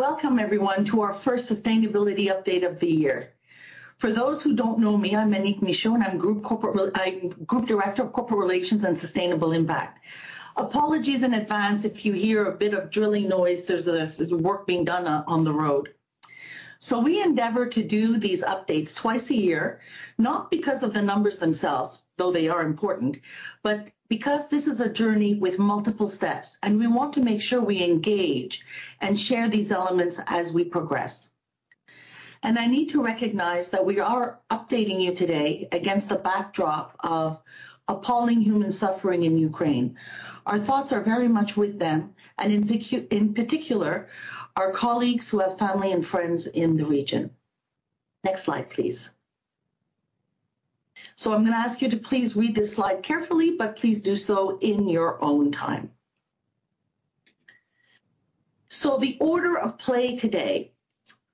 Welcome everyone to our first sustainability update of the year. For those who don't know me, I'm Anik Michaud, and I'm Group Director of Corporate Relations and Sustainable Impact. Apologies in advance if you hear a bit of drilling noise. There's work being done on the road. We endeavor to do these updates twice a year, not because of the numbers themselves, though they are important, but because this is a journey with multiple steps, and we want to make sure we engage and share these elements as we progress. I need to recognize that we are updating you today against the backdrop of appalling human suffering in Ukraine. Our thoughts are very much with them and in particular, our colleagues who have family and friends in the region. Next slide, please. I'm gonna ask you to please read this slide carefully, but please do so in your own time. The order of play today.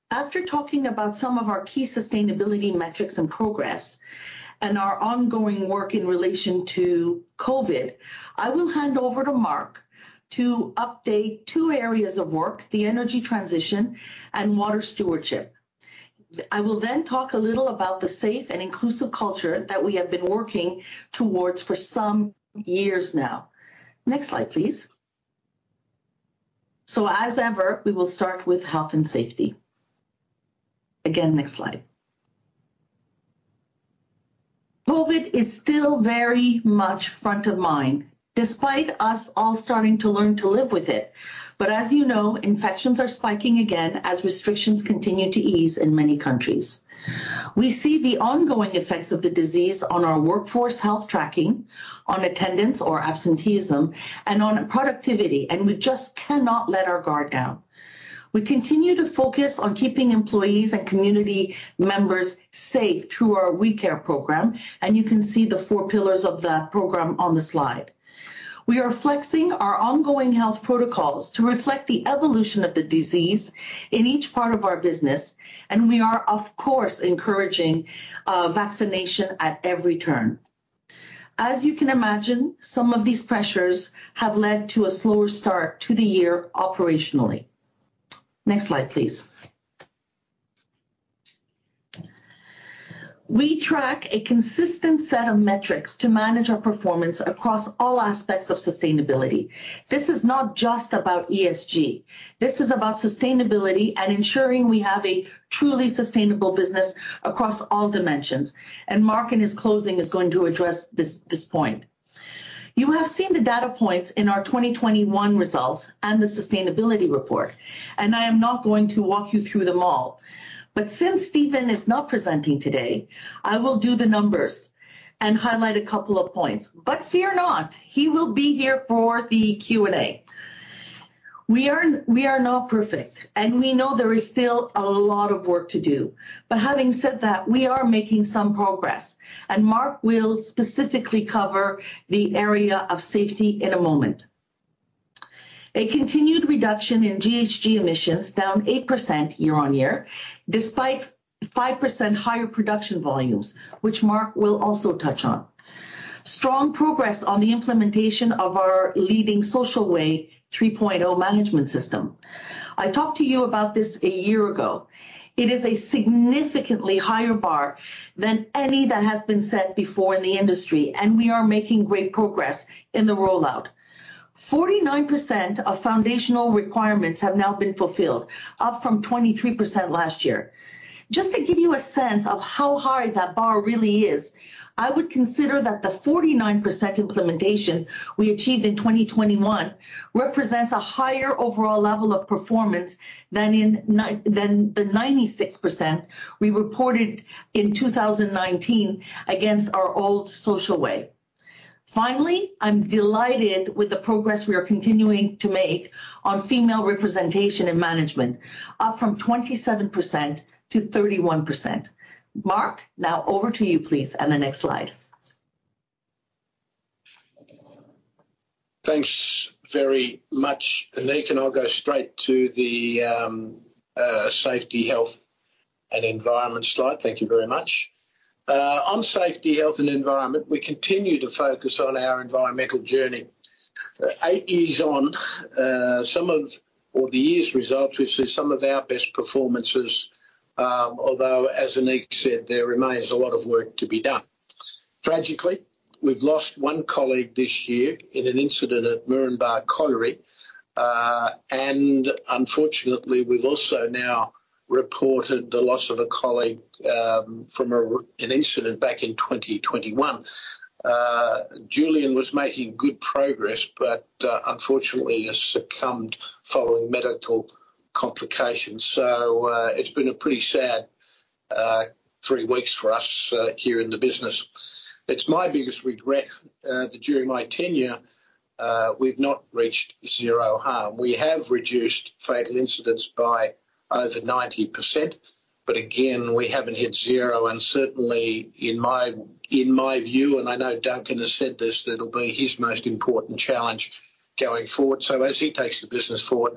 After talking about some of our key sustainability metrics and progress and our ongoing work in relation to COVID, I will hand over to Mark to update two areas of work, the energy transition and water stewardship. I will then talk a little about the safe and inclusive culture that we have been working towards for some years now. Next slide, please. As ever, we will start with health and safety. Again, next slide. COVID is still very much front of mind, despite us all starting to learn to live with it. As you know, infections are spiking again as restrictions continue to ease in many countries. We see the ongoing effects of the disease on our workforce health tracking, on attendance or absenteeism, and on productivity, and we just cannot let our guard down. We continue to focus on keeping employees and community members safe through our WeCare program, and you can see the four pillars of that program on the slide. We are flexing our ongoing health protocols to reflect the evolution of the disease in each part of our business, and we are, of course, encouraging vaccination at every turn. As you can imagine, some of these pressures have led to a slower start to the year operationally. Next slide, please. We track a consistent set of metrics to manage our performance across all aspects of sustainability. This is not just about ESG. This is about sustainability and ensuring we have a truly sustainable business across all dimensions, and Mark in his closing is going to address this point. You have seen the data points in our 2021 results and the sustainability report, and I am not going to walk you through them all. Since Stephen is not presenting today, I will do the numbers and highlight a couple of points. Fear not, he will be here for the Q&A. We are not perfect, and we know there is still a lot of work to do. Having said that, we are making some progress, and Mark will specifically cover the area of safety in a moment. A continued reduction in GHG emissions, down 8% year-on-year, despite 5% higher production volumes, which Mark will also touch on. Strong progress on the implementation of our leading Social Way 3.0 management system. I talked to you about this a year ago. It is a significantly higher bar than any that has been set before in the industry, and we are making great progress in the rollout. 49% of foundational requirements have now been fulfilled, up from 23% last year. Just to give you a sense of how high that bar really is, I would consider that the 49% implementation we achieved in 2021 represents a higher overall level of performance than the 96% we reported in 2019 against our old Social Way. Finally, I'm delighted with the progress we are continuing to make on female representation and management, up from 27% to 31%. Mark, now over to you please, and the next slide. Thanks very much, Anik, and I'll go straight to the safety, health and environment slide. Thank you very much. On safety, health and environment, we continue to focus on our environmental journey. Eight years on, or the year's results, we've seen some of our best performances, although as Anik said, there remains a lot of work to be done. Tragically, we've lost one colleague this year in an incident at Moranbah Colliery, and unfortunately, we've also now reported the loss of a colleague from an incident back in 2021. Julian was making good progress, but unfortunately has succumbed following medical complications. It's been a pretty sad three weeks for us here in the business. It's my biggest regret that during my tenure, we've not reached zero harm. We have reduced fatal incidents by over 90%, but again, we haven't hit zero and certainly in my view, and I know Duncan has said this, that'll be his most important challenge going forward. As he takes the business forward,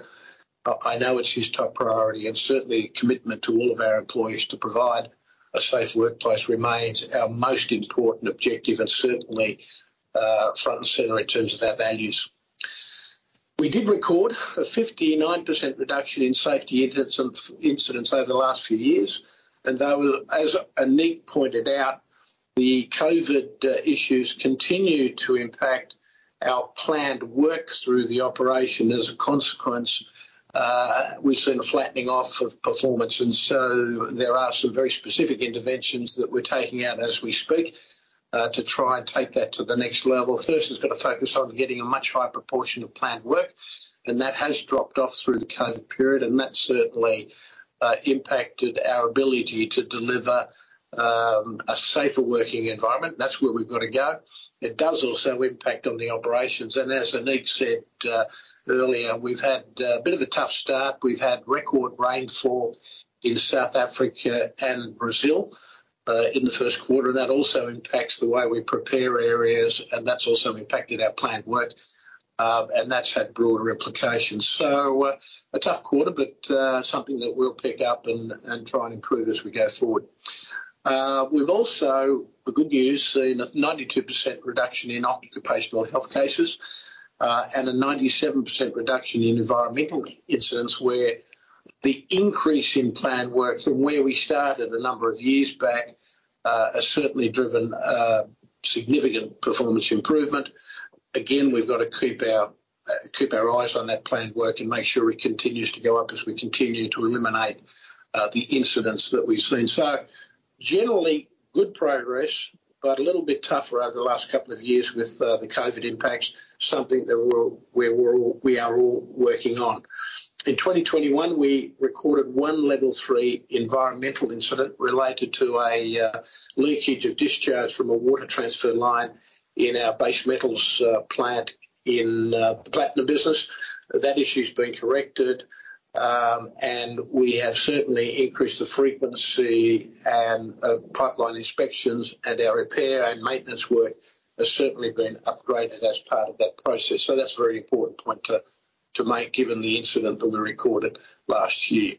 I know it's his top priority and certainly commitment to all of our employees to provide a safe workplace remains our most important objective and certainly front and center in terms of our values. We did record a 59% reduction in safety incidents over the last few years. Though, as Anik pointed out, the COVID issues continue to impact our planned work through the operation. As a consequence, we've seen a flattening off of performance. There are some very specific interventions that we're taking out as we speak to try and take that to the next level. First, it's gotta focus on getting a much higher proportion of planned work, and that has dropped off through the COVID period, and that certainly impacted our ability to deliver a safer working environment. That's where we've gotta go. It does also impact on the operations. As Anik said earlier, we've had a bit of a tough start. We've had record rainfall in South Africa and Brazil in the first quarter. That also impacts the way we prepare areas, and that's also impacted our planned work. And that's had broader implications. A tough quarter, but something that we'll pick up and try and improve as we go forward. We've also, the good news, seen a 92% reduction in occupational health cases, and a 97% reduction in environmental incidents where the increase in planned work from where we started a number of years back has certainly driven significant performance improvement. Again, we've got to keep our eyes on that planned work and make sure it continues to go up as we continue to eliminate the incidents that we've seen. Generally, good progress, but a little bit tougher over the last couple of years with the COVID impacts, something that we're all working on. In 2021, we recorded one level 3 environmental incident related to a leakage of discharge from a water transfer line in our base metals plant in the platinum business. That issue's been corrected, and we have certainly increased the frequency and of pipeline inspections, and our repair and maintenance work has certainly been upgraded as part of that process. That's a very important point to make given the incident that we recorded last year.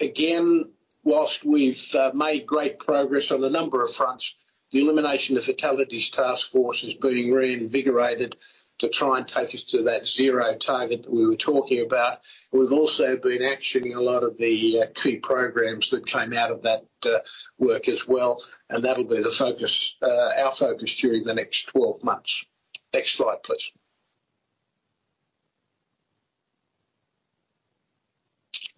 Again, while we've made great progress on a number of fronts, the Elimination of Fatalities Task Force is being reinvigorated to try and take us to that zero target that we were talking about. We've also been actioning a lot of the key programs that came out of that work as well, and that'll be the focus, our focus during the next 12 months. Next slide, please.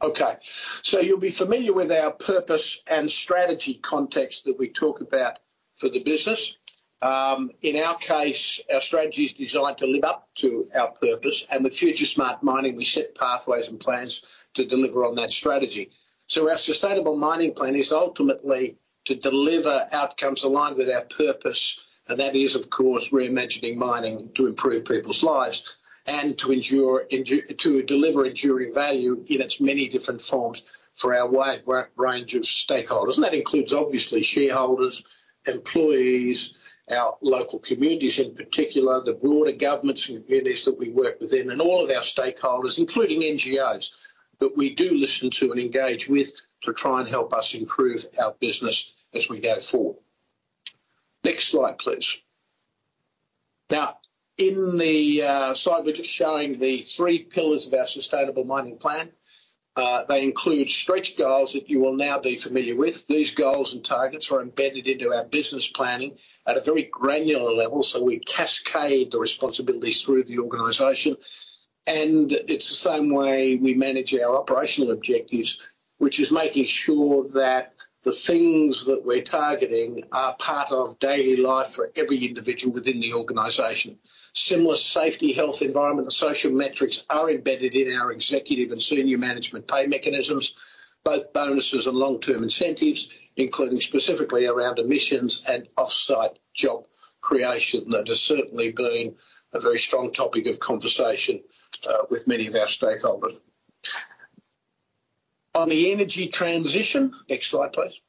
Okay, so you'll be familiar with our purpose and strategy context that we talk about for the business. In our case, our strategy is designed to live up to our purpose. With FutureSmart Mining, we set pathways and plans to deliver on that strategy. Our Sustainable Mining Plan is ultimately to deliver outcomes aligned with our purpose, and that is, of course, reimagining mining to improve people's lives and to endure to deliver enduring value in its many different forms for our wide range of stakeholders. That includes, obviously, shareholders, employees, our local communities, in particular, the broader governments and communities that we work within, and all of our stakeholders, including NGOs, that we do listen to and engage with to try and help us improve our business as we go forward. Next slide, please. Now, in the slide, we're just showing the three pillars of our Sustainable Mining Plan. They include stretch goals that you will now be familiar with. These goals and targets are embedded into our business planning at a very granular level, so we cascade the responsibilities through the organization. It's the same way we manage our operational objectives, which is making sure that the things that we're targeting are part of daily life for every individual within the organization. Similar safety, health, environment, and social metrics are embedded in our Executive and Senior Management pay mechanisms, both bonuses and long-term incentives, including specifically around emissions and off-site job creation. That has certainly been a very strong topic of conversation with many of our stakeholders. On the energy transition, next slide, please.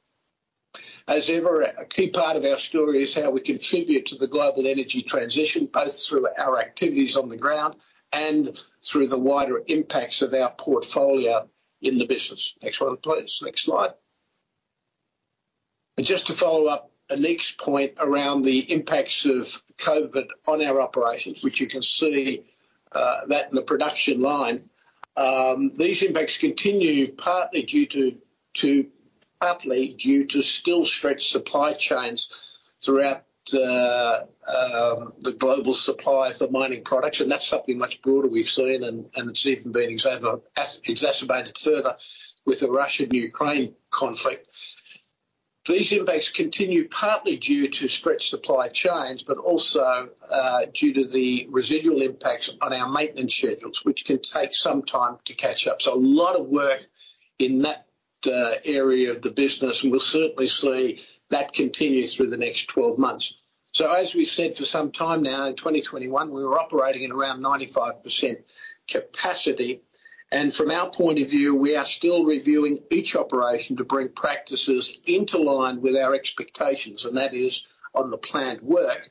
As ever, a key part of our story is how we contribute to the global energy transition, both through our activities on the ground and through the wider impacts of our portfolio in the business. Next one, please. Next slide. Just to follow up Anik's point around the impacts of COVID on our operations, which you can see that in the production line, these impacts continue partly due to still stretched supply chains throughout the global supply for mining products, and that's something much broader we've seen, and it's even been exacerbated further with the Russia and Ukraine conflict. These impacts continue partly due to stretched supply chains, but also due to the residual impacts on our maintenance schedules, which can take some time to catch up. A lot of work in that area of the business, and we'll certainly see that continue through the next twelve months. As we said for some time now, in 2021, we were operating at around 95% capacity. From our point of view, we are still reviewing each operation to bring practices into line with our expectations, and that is on the planned work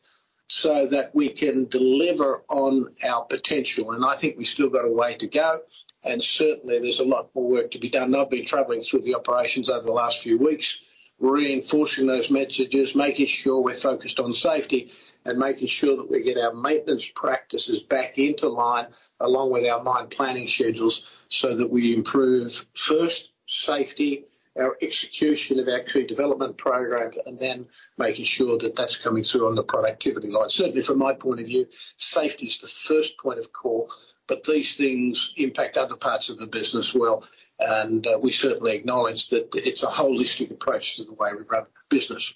so that we can deliver on our potential. I think we still got a way to go, and certainly there's a lot more work to be done. I've been traveling through the operations over the last few weeks, reinforcing those messages, making sure we're focused on safety and making sure that we get our maintenance practices back into line, along with our mine planning schedules, so that we improve, first, safety, our execution of our key development program, and then making sure that that's coming through on the productivity line. Certainly from my point of view, safety is the first point of call, but these things impact other parts of the business well, and we certainly acknowledge that it's a holistic approach to the way we run business.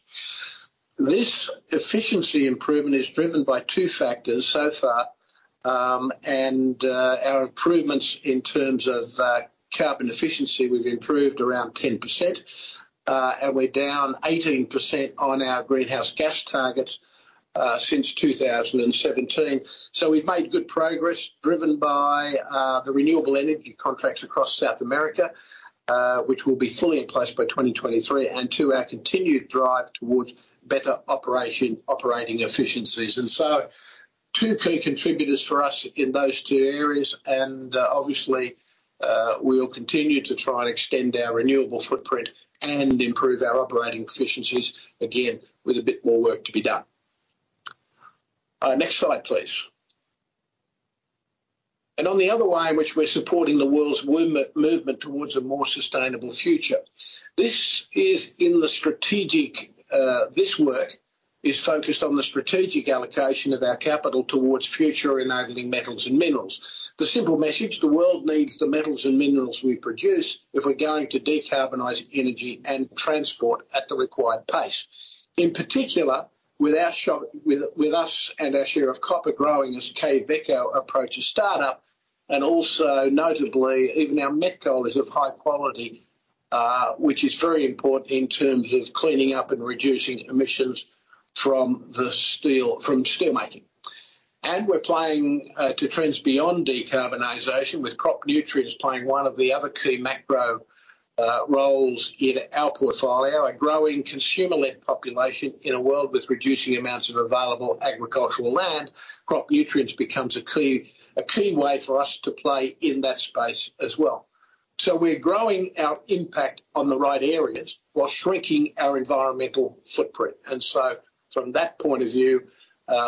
This efficiency improvement is driven by two factors so far, and our improvements in terms of carbon efficiency, we've improved around 10%. We're down 18% on our greenhouse gas targets since 2017. We've made good progress driven by the renewable energy contracts across South America, which will be fully in place by 2023, and 2, our continued drive towards better operation, operating efficiencies. Two key contributors for us in those two areas, and obviously, we'll continue to try and extend our renewable footprint and improve our operating efficiencies, again, with a bit more work to be done. Next slide, please. On the other way in which we're supporting the world's movement towards a more sustainable future. This is in the strategic, this work is focused on the strategic allocation of our capital towards future-enabling metals and minerals. The simple message, the world needs the metals and minerals we produce if we're going to decarbonize energy and transport at the required pace. In particular, with us and our share of copper growing as Quellaveco approaches startup, and also notably, even our met coal is of high quality, which is very important in terms of cleaning up and reducing emissions from steel making. We're playing to trends beyond decarbonization, with crop nutrients playing one of the other key macro roles in our portfolio. A growing consumer-led population in a world with reducing amounts of available agricultural land, crop nutrients becomes a key way for us to play in that space as well. We're growing our impact on the right areas while shrinking our environmental footprint. From that point of view,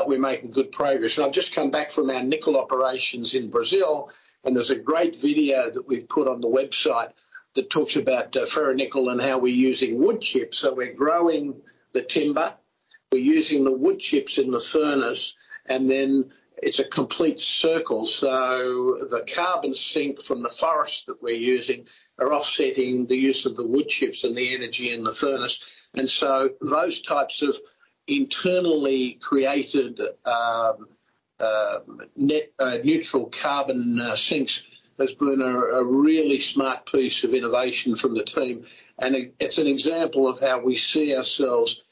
we're making good progress. I've just come back from our nickel operations in Brazil, and there's a great video that we've put on the website that talks about ferronickel and how we're using wood chips. We're growing the timber, we're using the wood chips in the furnace, and then it's a complete circle. The carbon sink from the forest that we're using are offsetting the use of the wood chips and the energy in the furnace. Those types of internally created net neutral carbon sinks has been a really smart piece of innovation from the team. It's an example of how we see ourselves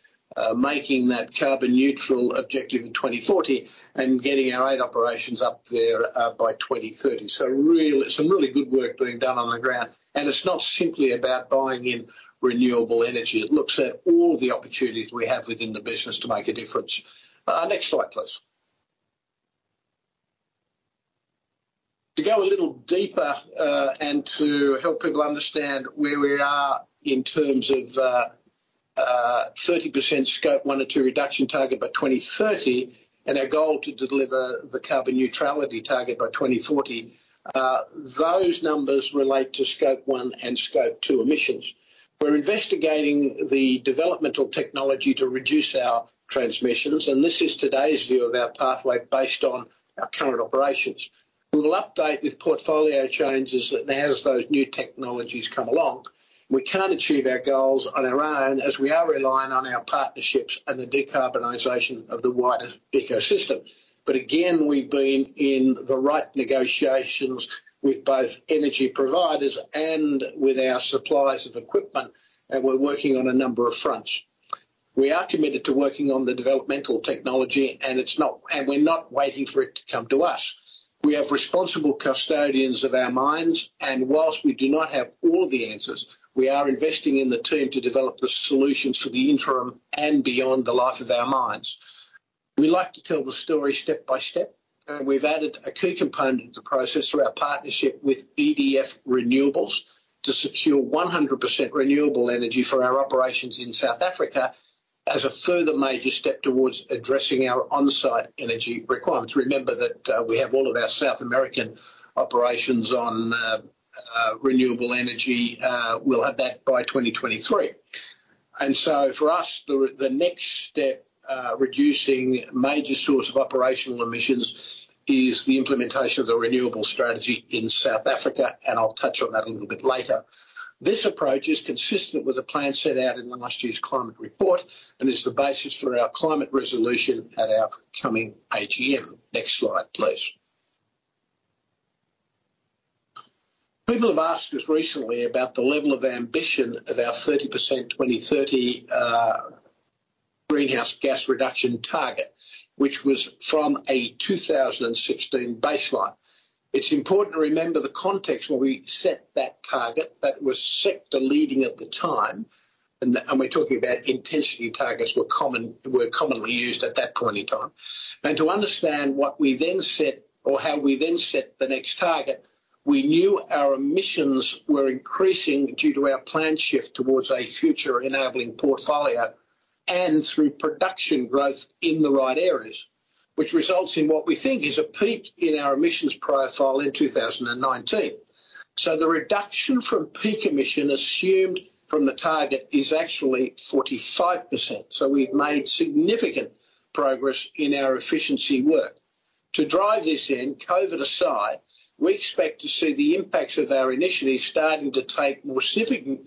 making that carbon neutral objective in 2040 and getting our eight operations up there by 2030. Some really good work being done on the ground. It's not simply about buying in renewable energy. It looks at all the opportunities we have within the business to make a difference. Next slide, please. To go a little deeper, and to help people understand where we are in terms of 30% Scope 1 or 2 reduction target by 2030, and our goal to deliver the carbon neutrality target by 2040, those numbers relate to Scope 1 and Scope 2 emissions. We're investigating the developing technologies to reduce our transmissions, and this is today's view of our pathway based on our current operations. We will update with portfolio changes as those new technologies come along. We can't achieve our goals on our own as we are relying on our partnerships and the decarbonization of the wider ecosystem. Again, we've been in tight negotiations with both energy providers and with our suppliers of equipment, and we're working on a number of fronts. We are committed to working on the developmental technology, and we're not waiting for it to come to us. We have responsible custodians of our mines, and while we do not have all the answers, we are investing in the team to develop the solutions for the interim and beyond the life of our mines. We like to tell the story step by step, and we've added a key component to progress through our partnership with EDF Renewables to secure 100% renewable energy for our operations in South Africa as a further major step towards addressing our on-site energy requirements. Remember that, we have all of our South American operations on renewable energy. We'll have that by 2023. For us, the next step, reducing major source of operational emissions is the implementation of the renewable strategy in South Africa, and I'll touch on that a little bit later. This approach is consistent with the plan set out in last year's climate report and is the basis for our climate resolution at our coming AGM. Next slide, please. People have asked us recently about the level of ambition of our 30% 2030 greenhouse gas reduction target, which was from a 2016 baseline. It's important to remember the context when we set that target that was sector-leading at the time, and we're talking about intensity targets were commonly used at that point in time. To understand what we then set or how we then set the next target, we knew our emissions were increasing due to our planned shift towards a future-enabling portfolio and through production growth in the right areas, which results in what we think is a peak in our emissions profile in 2019. The reduction from peak emission assumed from the target is actually 45%. We've made significant progress in our efficiency work. To drive this in, COVID aside, we expect to see the impacts of our initiatives starting to take more significant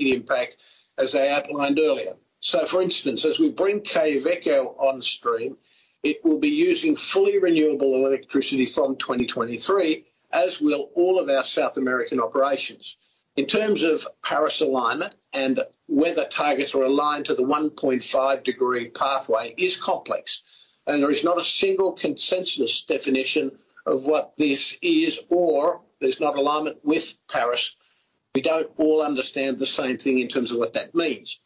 impact as I outlined earlier. For instance, as we bring Quellaveco on stream, it will be using fully renewable electricity from 2023, as will all of our South American operations. In terms of Paris alignment and whether targets are aligned to the 1.5 degree pathway is complex, and there is not a single consensus definition of what this is or there's not alignment with Paris. We don't all understand the same thing in terms of what that means.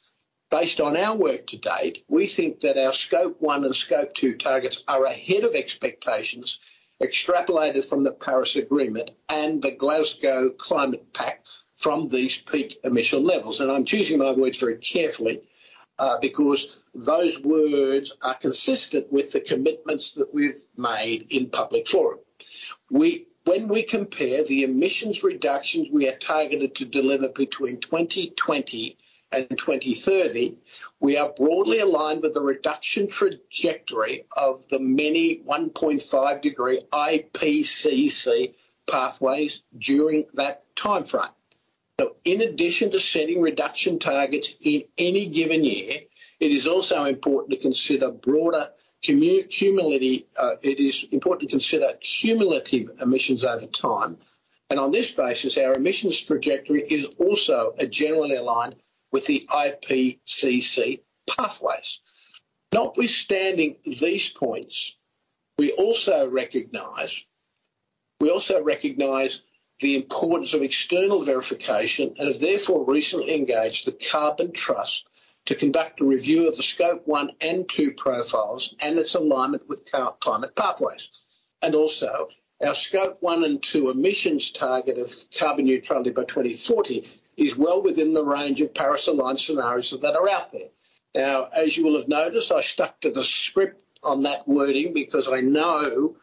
Based on our work to date, we think that our Scope 1 and Scope 2 targets are ahead of expectations extrapolated from the Paris Agreement and the Glasgow Climate Pact from these peak emission levels. I'm choosing my words very carefully, because those words are consistent with the commitments that we've made in public forum. When we compare the emissions reductions we are targeted to deliver between 2020 and 2030, we are broadly aligned with the reduction trajectory of the many 1.5 degree IPCC pathways during that timeframe. In addition to setting reduction targets in any given year, it is also important to consider broader cumulative emissions over time. On this basis, our emissions trajectory is also generally aligned with the IPCC pathways. Notwithstanding these points, we also recognize the importance of external verification and have therefore recently engaged the Carbon Trust to conduct a review of the Scope 1 and 2 profiles and its alignment with climate pathways. Our Scope 1 and 2 emissions target of carbon neutrality by 2040 is well within the range of Paris aligned scenarios that are out there. As you will have noticed, I stuck to the script on that wording because I know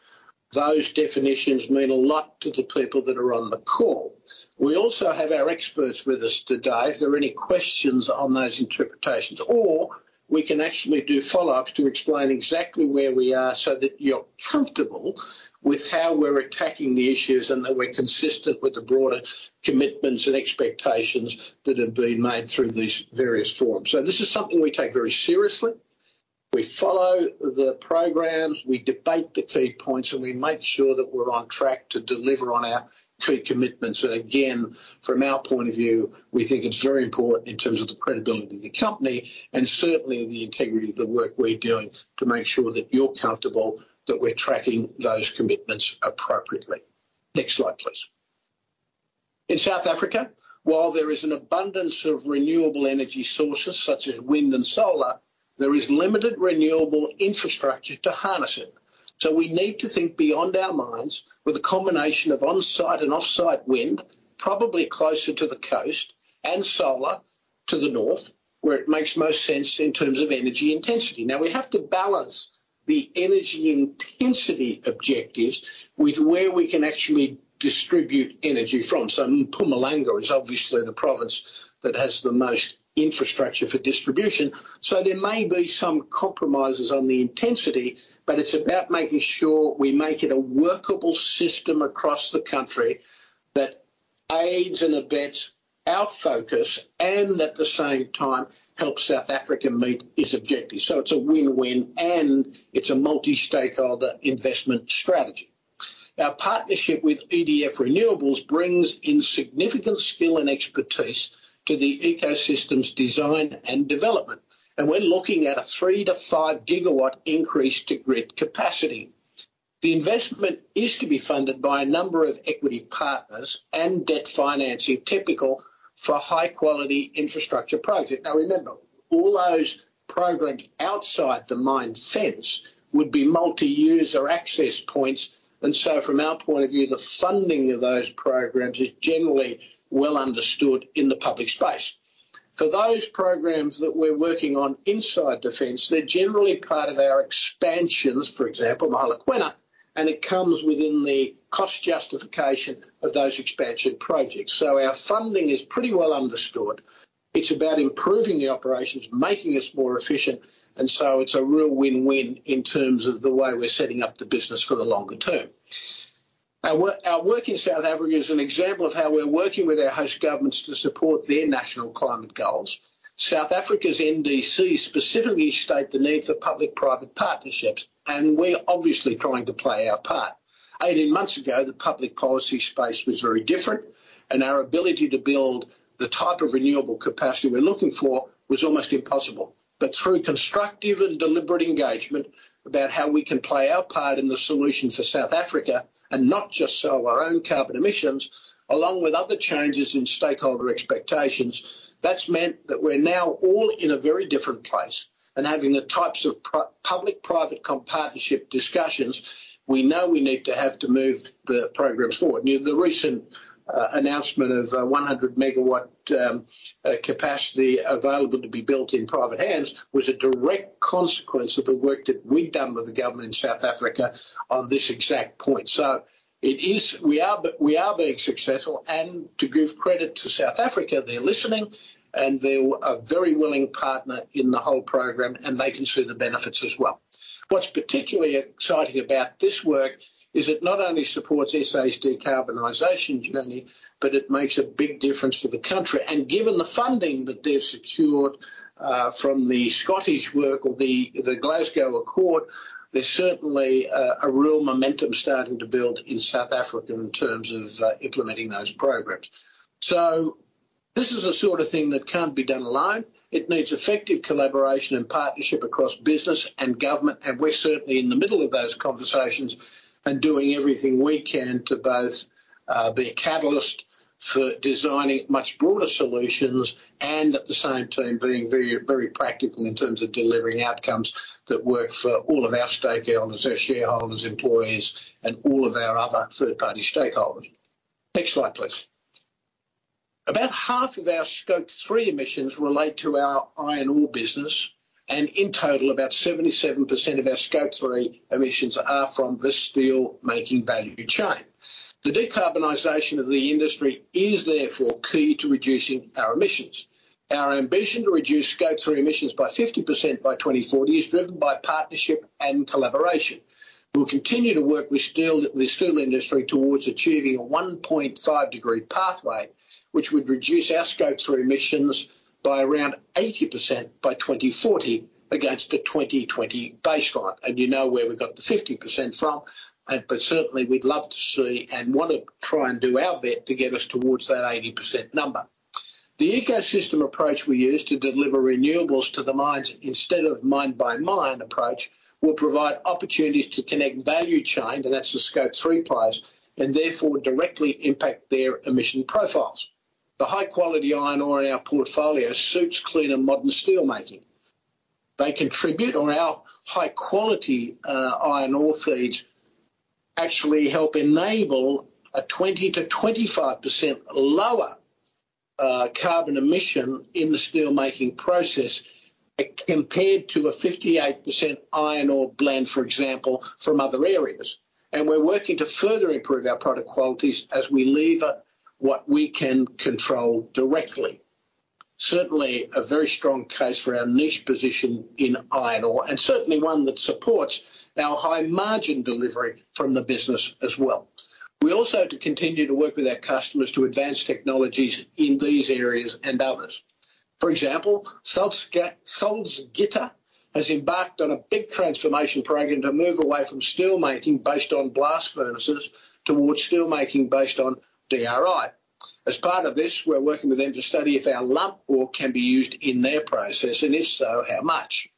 those definitions mean a lot to the people that are on the call. We also have our experts with us today, if there are any questions on those interpretations, or we can actually do follow-ups to explain exactly where we are so that you're comfortable with how we're attacking the issues and that we're consistent with the broader commitments and expectations that have been made through these various forums. This is something we take very seriously. We follow the programs, we debate the key points, and we make sure that we're on track to deliver on our key commitments. Again, from our point of view, we think it's very important in terms of the credibility of the company and certainly the integrity of the work we're doing to make sure that you're comfortable that we're tracking those commitments appropriately. Next slide, please. In South Africa, while there is an abundance of renewable energy sources such as wind and solar, there is limited renewable infrastructure to harness it. We need to think beyond our mines with a combination of on-site and off-site wind, probably closer to the coast and solar to the north, where it makes most sense in terms of energy intensity. Now, we have to balance the energy intensity objectives with where we can actually distribute energy from. Mpumalanga is obviously the province that has the most infrastructure for distribution. There may be some compromises on the intensity, but it's about making sure we make it a workable system across the country that aids and abets our focus and at the same time helps South Africa meet its objectives. It's a win-win, and it's a multi-stakeholder investment strategy. Our partnership with EDF Renewables brings in significant skill and expertise to the ecosystem's design and development. We're looking at a 3-5 GW increase to grid capacity. The investment is to be funded by a number of equity partners and debt financing, typical for high-quality infrastructure projects. Now remember, all those programs outside the mine fence would be multi-user access points. From our point of view, the funding of those programs is generally well understood in the public space. For those programs that we're working on inside the fence, they're generally part of our expansions, for example, Mogalakwena, and it comes within the cost justification of those expansion projects. Our funding is pretty well understood. It's about improving the operations, making us more efficient, and so it's a real win-win in terms of the way we're setting up the business for the longer term. Our work in South Africa is an example of how we're working with our host governments to support their national climate goals. South Africa's NDC specifically state the need for public-private partnerships, and we're obviously trying to play our part. 18 months ago, the public policy space was very different, and our ability to build the type of renewable capacity we're looking for was almost impossible. Through constructive and deliberate engagement about how we can play our part in the solution for South Africa and not just sell our own carbon emissions, along with other changes in stakeholder expectations. That's meant that we're now all in a very different place, and having the types of public-private partnership discussions we know we need to have to move the program forward. The recent announcement of 100 MW capacity available to be built in private hands was a direct consequence of the work that we've done with the government in South Africa on this exact point. It is. We are being successful and to give credit to South Africa, they're listening, and they're a very willing partner in the whole program, and they can see the benefits as well. What's particularly exciting about this work is it not only supports SA's decarbonization journey, but it makes a big difference to the country. Given the funding that they've secured from the Scottish work or the Glasgow Climate Pact, there's certainly a real momentum starting to build in South Africa in terms of implementing those programs. This is the sort of thing that can't be done alone. It needs effective collaboration and partnership across business and government, and we're certainly in the middle of those conversations and doing everything we can to both be a catalyst for designing much broader solutions and at the same time being very, very practical in terms of delivering outcomes that work for all of our stakeholders, our shareholders, employees and all of our other third-party stakeholders. Next slide, please. About half of our Scope 3 emissions relate to our iron ore business, and in total about 77% of our Scope 3 emissions are from the steel-making value chain. The decarbonization of the industry is therefore key to reducing our emissions. Our ambition to reduce Scope 3 emissions by 50% by 2024 is driven by partnership and collaboration. We'll continue to work with steel, the steel industry towards achieving a 1.5-degree pathway, which would reduce our Scope 3 emissions by around 80% by 2024 against the 2020 baseline. You know where we got the 50% from, but certainly we'd love to see and wanna try and do our bit to get us towards that 80% number. The ecosystem approach we use to deliver renewables to the mines instead of mine-by-mine approach, will provide opportunities to connect value chain, and that's the Scope 3 players, and therefore directly impact their emission profiles. The high-quality iron ore in our portfolio suits clean and modern steel making. They contribute on our high-quality, iron ore feeds actually help enable a 20%-25% lower, carbon emission in the steel-making process compared to a 58% iron ore blend, for example, from other areas. We're working to further improve our product qualities as we leverage what we can control directly. Certainly a very strong case for our niche position in iron ore, and certainly one that supports our high-margin delivery from the business as well. We also have to continue to work with our customers to advance technologies in these areas and others. For example, Salzgitter has embarked on a big transformation program to move away from steelmaking based on blast furnaces towards steelmaking based on DRI. As part of this, we're working with them to study if our lump ore can be used in their process, and if so, how much.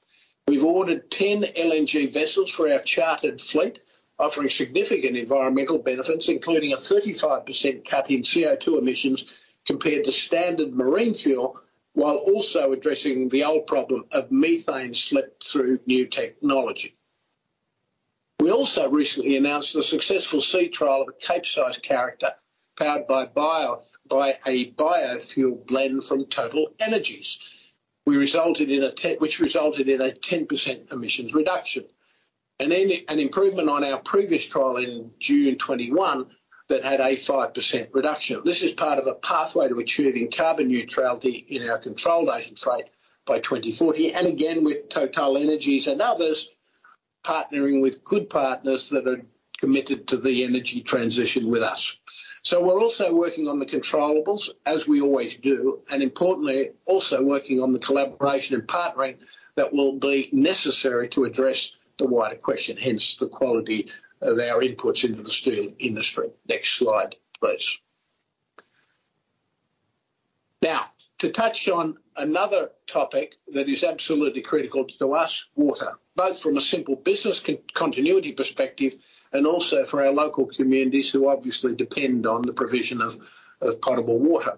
We've ordered 10 LNG vessels for our chartered fleet, offering significant environmental benefits, including a 35% cut in CO2 emissions compared to standard marine fuel, while also addressing the old problem of methane slip through new technology. We also recently announced a successful sea trial of a Capesize carrier powered by a biofuel blend from TotalEnergies. Which resulted in a 10% emissions reduction. An improvement on our previous trial in June 2021 that had a 5% reduction. This is part of a pathway to achieving carbon neutrality in our controlled ocean freight by 2024, and again, with TotalEnergies and others, partnering with good partners that are committed to the energy transition with us. We're also working on the controllables, as we always do, and importantly, also working on the collaboration and partnering that will be necessary to address the wider question, hence the quality of our inputs into the steel industry. Next slide, please. Now, to touch on another topic that is absolutely critical to us, water, both from a simple business continuity perspective and also for our local communities who obviously depend on the provision of potable water.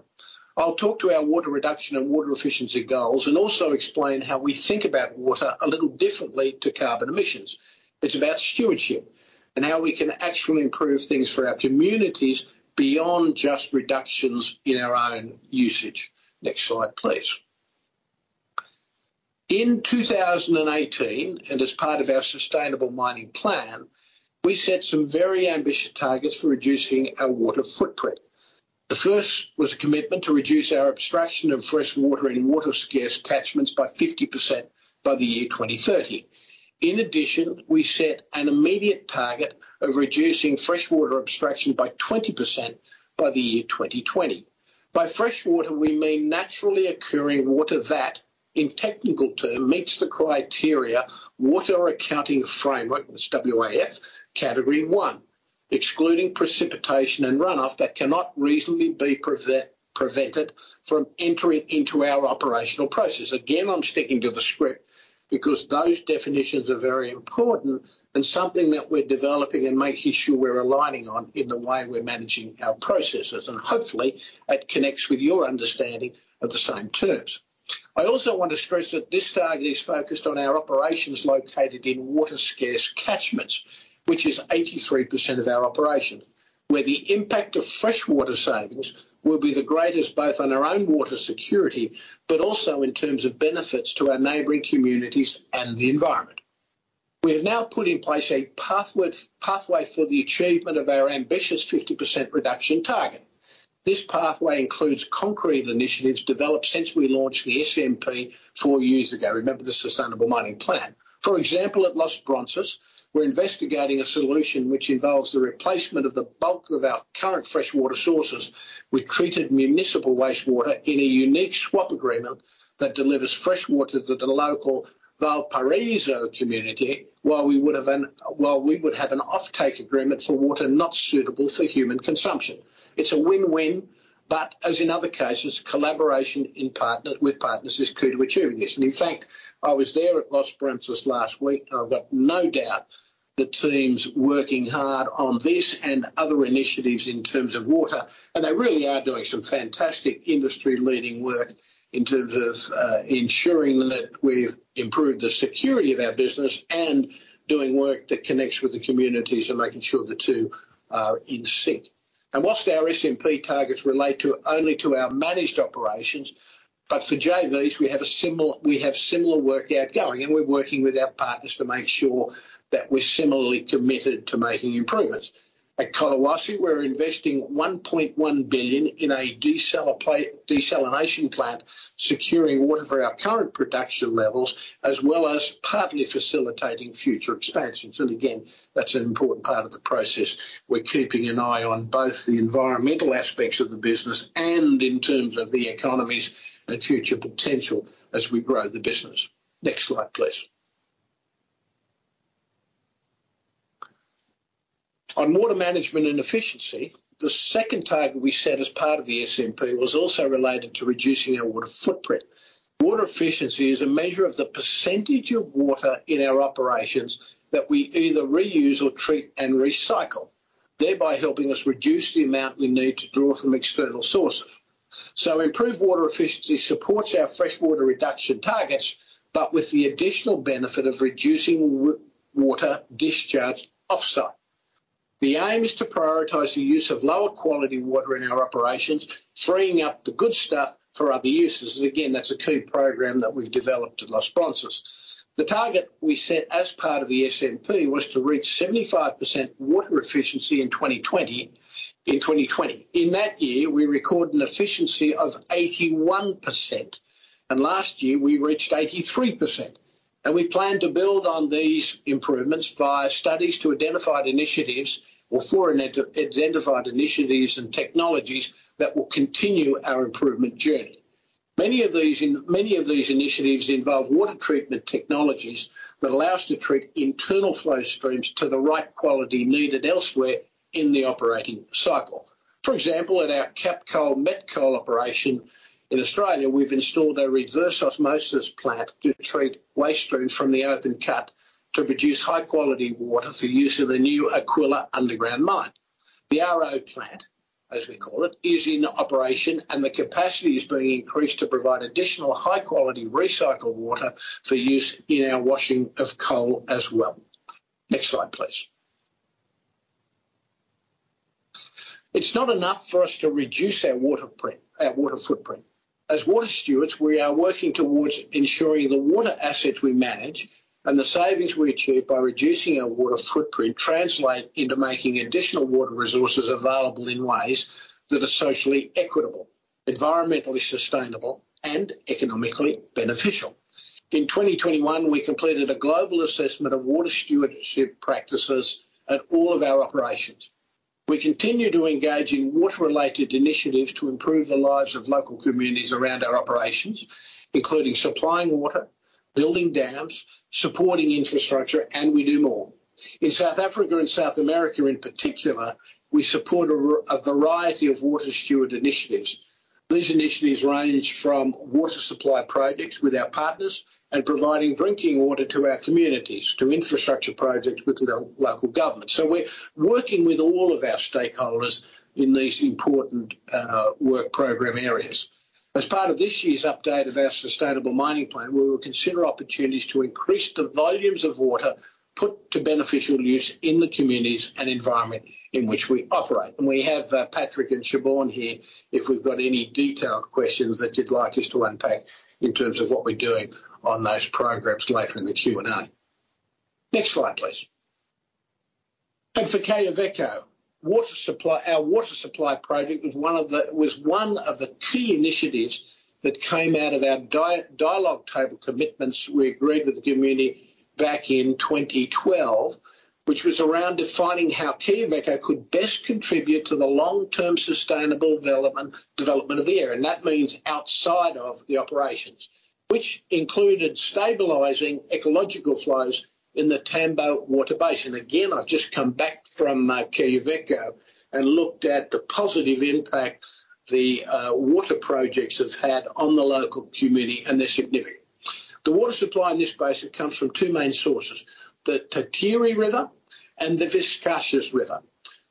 I'll talk to our water reduction and water efficiency goals and also explain how we think about water a little differently to carbon emissions. It's about stewardship and how we can actually improve things for our communities beyond just reductions in our own usage. Next slide, please. In 2018, as part of our Sustainable Mining Plan, we set some very ambitious targets for reducing our water footprint. The first was a commitment to reduce our abstraction of fresh water in water scarce catchments by 50% by the year 2030. In addition, we set an immediate target of reducing fresh water abstraction by 20% by the year 2020. By fresh water, we mean naturally occurring water that, in technical term, meets the criteria of the Water Accounting Framework, that's WAF, category one. Excluding precipitation and runoff that cannot reasonably be prevented from entering into our operational process. Again, I'm sticking to the script because those definitions are very important and something that we're developing and making sure we're aligning on in the way we're managing our processes, and hopefully it connects with your understanding of the same terms. I also want to stress that this target is focused on our operations located in water-scarce catchments, which is 83% of our operation, where the impact of freshwater savings will be the greatest, both on our own water security, but also in terms of benefits to our neighboring communities and the environment. We have now put in place a pathway for the achievement of our ambitious 50% reduction target. This pathway includes concrete initiatives developed since we launched the SMP four years ago. Remember the sustainable mining plan. For example, at Los Bronces, we're investigating a solution which involves the replacement of the bulk of our current freshwater sources with treated municipal wastewater in a unique swap agreement that delivers fresh water to the local Valparaíso community, while we would have an offtake agreement for water not suitable for human consumption. It's a win-win, but as in other cases, collaboration with partners is key to achieving this. In fact, I was there at Los Bronces last week, and I've got no doubt the team's working hard on this and other initiatives in terms of water, and they really are doing some fantastic industry-leading work in terms of ensuring that we've improved the security of our business and doing work that connects with the communities and making sure the two are in sync. While our SMP targets relate only to our managed operations, but for JVs we have similar work ongoing, and we're working with our partners to make sure that we're similarly committed to making improvements. At Quellaveco, we're investing $1.1 billion in a desalination plant, securing water for our current production levels, as well as partly facilitating future expansions. Again, that's an important part of the process. We're keeping an eye on both the environmental aspects of the business and in terms of the economy's future potential as we grow the business. Next slide, please. On water management and efficiency. The second target we set as part of the SMP was also related to reducing our water footprint. Water efficiency is a measure of the percentage of water in our operations that we either reuse or treat and recycle, thereby helping us reduce the amount we need to draw from external sources. Improved water efficiency supports our freshwater reduction targets, but with the additional benefit of reducing water discharge offsite. The aim is to prioritize the use of lower quality water in our operations, freeing up the good stuff for other uses. Again, that's a key program that we've developed at Los Bronces. The target we set as part of the SMP was to reach 75% water efficiency in 2020. In that year, we recorded an efficiency of 81%, and last year we reached 83%. We plan to build on these improvements via studies to identify initiatives or for identified initiatives and technologies that will continue our improvement journey. Many of these initiatives involve water treatment technologies that allow us to treat internal flow streams to the right quality needed elsewhere in the operating cycle. For example, at our Capcoal Metcoal operation in Australia, we've installed a reverse osmosis plant to treat waste streams from the open cut to produce high-quality water for use in the new Aquila underground mine. The RO plant, as we call it, is in operation and the capacity is being increased to provide additional high-quality recycled water for use in our washing of coal as well. Next slide, please. It's not enough for us to reduce our water footprint. As water stewards, we are working towards ensuring the water assets we manage and the savings we achieve by reducing our water footprint translate into making additional water resources available in ways that are socially equitable, environmentally sustainable, and economically beneficial. In 2021, we completed a global assessment of water stewardship practices at all of our operations. We continue to engage in water-related initiatives to improve the lives of local communities around our operations, including supplying water, building dams, supporting infrastructure, and we do more. In South Africa and South America in particular, we support a variety of water steward initiatives. These initiatives range from water supply projects with our partners and providing drinking water to our communities, to infrastructure projects with the local government. We're working with all of our stakeholders in these important work program areas. As part of this year's update of our Sustainable Mining Plan, we will consider opportunities to increase the volumes of water put to beneficial use in the communities and environment in which we operate. We have Patrick and Siobhan here if we've got any detailed questions that you'd like us to unpack in terms of what we're doing on those programs later in the Q&A. Next slide, please. For Quellaveco water supply, our water supply project was one of the key initiatives that came out of our dialogue table commitments we agreed with the community back in 2012, which was around defining how Quellaveco could best contribute to the long-term sustainable development of the area, and that means outside of the operations, which included stabilizing ecological flows in the Tambo water basin. I've just come back from Quellaveco and looked at the positive impact the water projects have had on the local community, and they're significant. The water supply in this basin comes from two main sources, the Titire River and the Vizcachas River.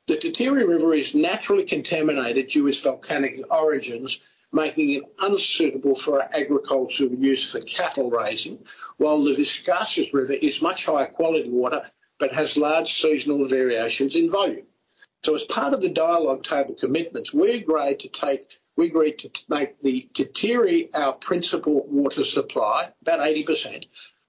The Titire River is naturally contaminated due to its volcanic origins, making it unsuitable for agricultural use for cattle raising, while the Vizcachas River is much higher quality water, but has large seasonal variations in volume. As part of the dialogue table commitments, we agreed to make the Titire our principal water supply, about 80%.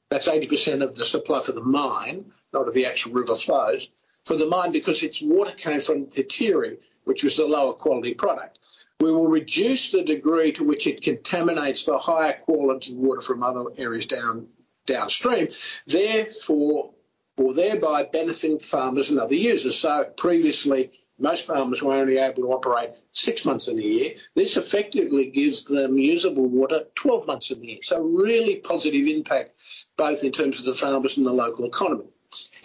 That's 80% of the supply for the mine, not of the actual river flows. For the mine because its water came from Titire, which was the lower quality product. We will reduce the degree to which it contaminates the higher quality water from other areas downstream, or thereby benefiting farmers and other users. Previously, most farmers were only able to operate six months in a year. This effectively gives them usable water 12 months of the year. A really positive impact, both in terms of the farmers and the local economy.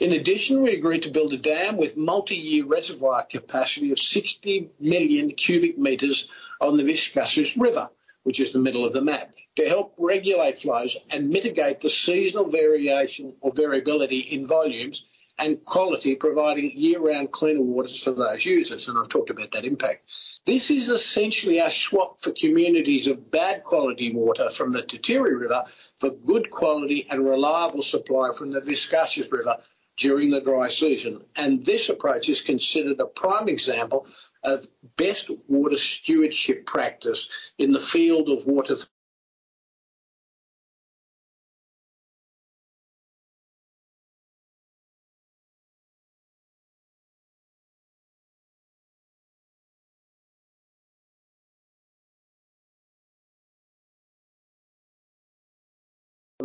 In addition, we agreed to build a dam with multi-year reservoir capacity of 60 million cubic meters on the Vizcachas River, which is the middle of the map, to help regulate flows and mitigate the seasonal variation or variability in volumes and quality, providing year-round cleaner waters for those users, and I've talked about that impact. This is essentially a swap for communities of bad quality water from the Titire River for good quality and reliable supply from the Vizcachas River during the dry season. This approach is considered a prime example of best water stewardship practice in the field of water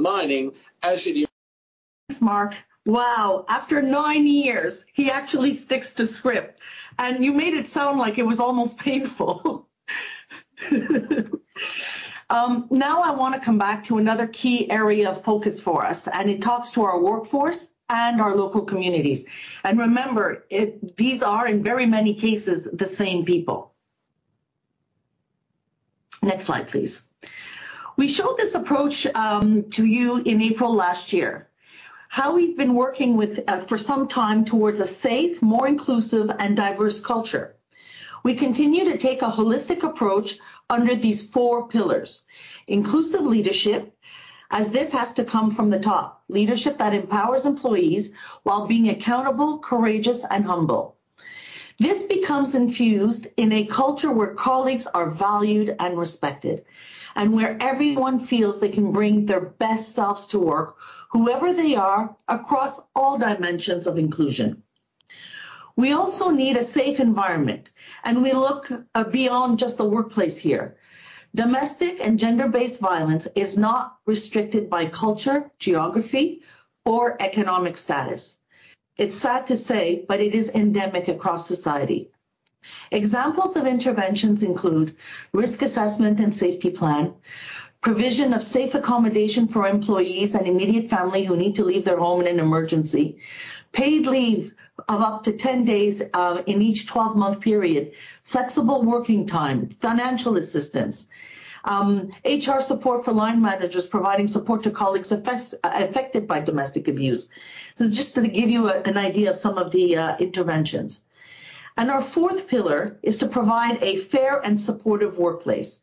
mining. Thanks, Mark. Wow. After nine years, he actually sticks to script. You made it sound like it was almost painful. Now I wanna come back to another key area of focus for us, and it talks to our workforce and our local communities. Remember, these are, in very many cases, the same people. Next slide, please. We showed this approach to you in April last year, how we've been working with, for some time towards a safe, more inclusive, and diverse culture. We continue to take a holistic approach under these four pillars. Inclusive leadership, as this has to come from the top. Leadership that empowers employees while being accountable, courageous, and humble. This becomes infused in a culture where colleagues are valued and respected, and where everyone feels they can bring their best selves to work, whoever they are, across all dimensions of inclusion. We also need a safe environment, and we look beyond just the workplace here. Domestic and gender-based violence is not restricted by culture, geography, or economic status. It's sad to say, but it is endemic across society. Examples of interventions include risk assessment and safety plan, provision of safe accommodation for employees and immediate family who need to leave their home in an emergency, paid leave of up to 10 days in each 12-month period, flexible working time, financial assistance, HR support for line managers providing support to colleagues affected by domestic abuse. Just to give you an idea of some of the interventions. Our fourth pillar is to provide a fair and supportive workplace.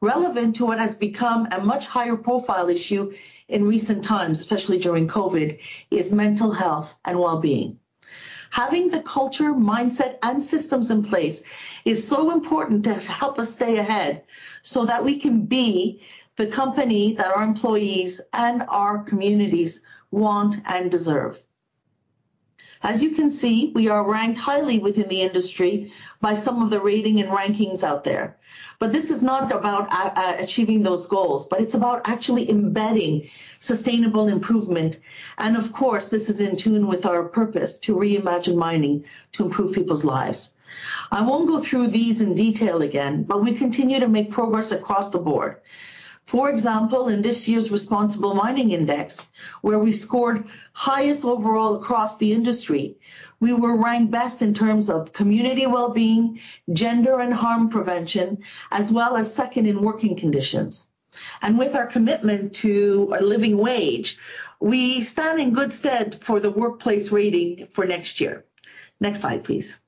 Relevant to what has become a much higher profile issue in recent times, especially during COVID, is mental health and wellbeing. Having the culture, mindset, and systems in place is so important to help us stay ahead so that we can be the company that our employees and our communities want and deserve. As you can see, we are ranked highly within the industry by some of the rating and rankings out there. This is not about achieving those goals, but it's about actually embedding sustainable improvement, and of course, this is in tune with our purpose to reimagine mining to improve people's lives. I won't go through these in detail again, but we continue to make progress across the board. For example, in this year's Responsible Mining Index, where we scored highest overall across the industry, we were ranked best in terms of community wellbeing, gender and harm prevention, as well as second in working conditions. With our commitment to a living wage, we stand in good stead for the workplace rating for next year. Next slide, please.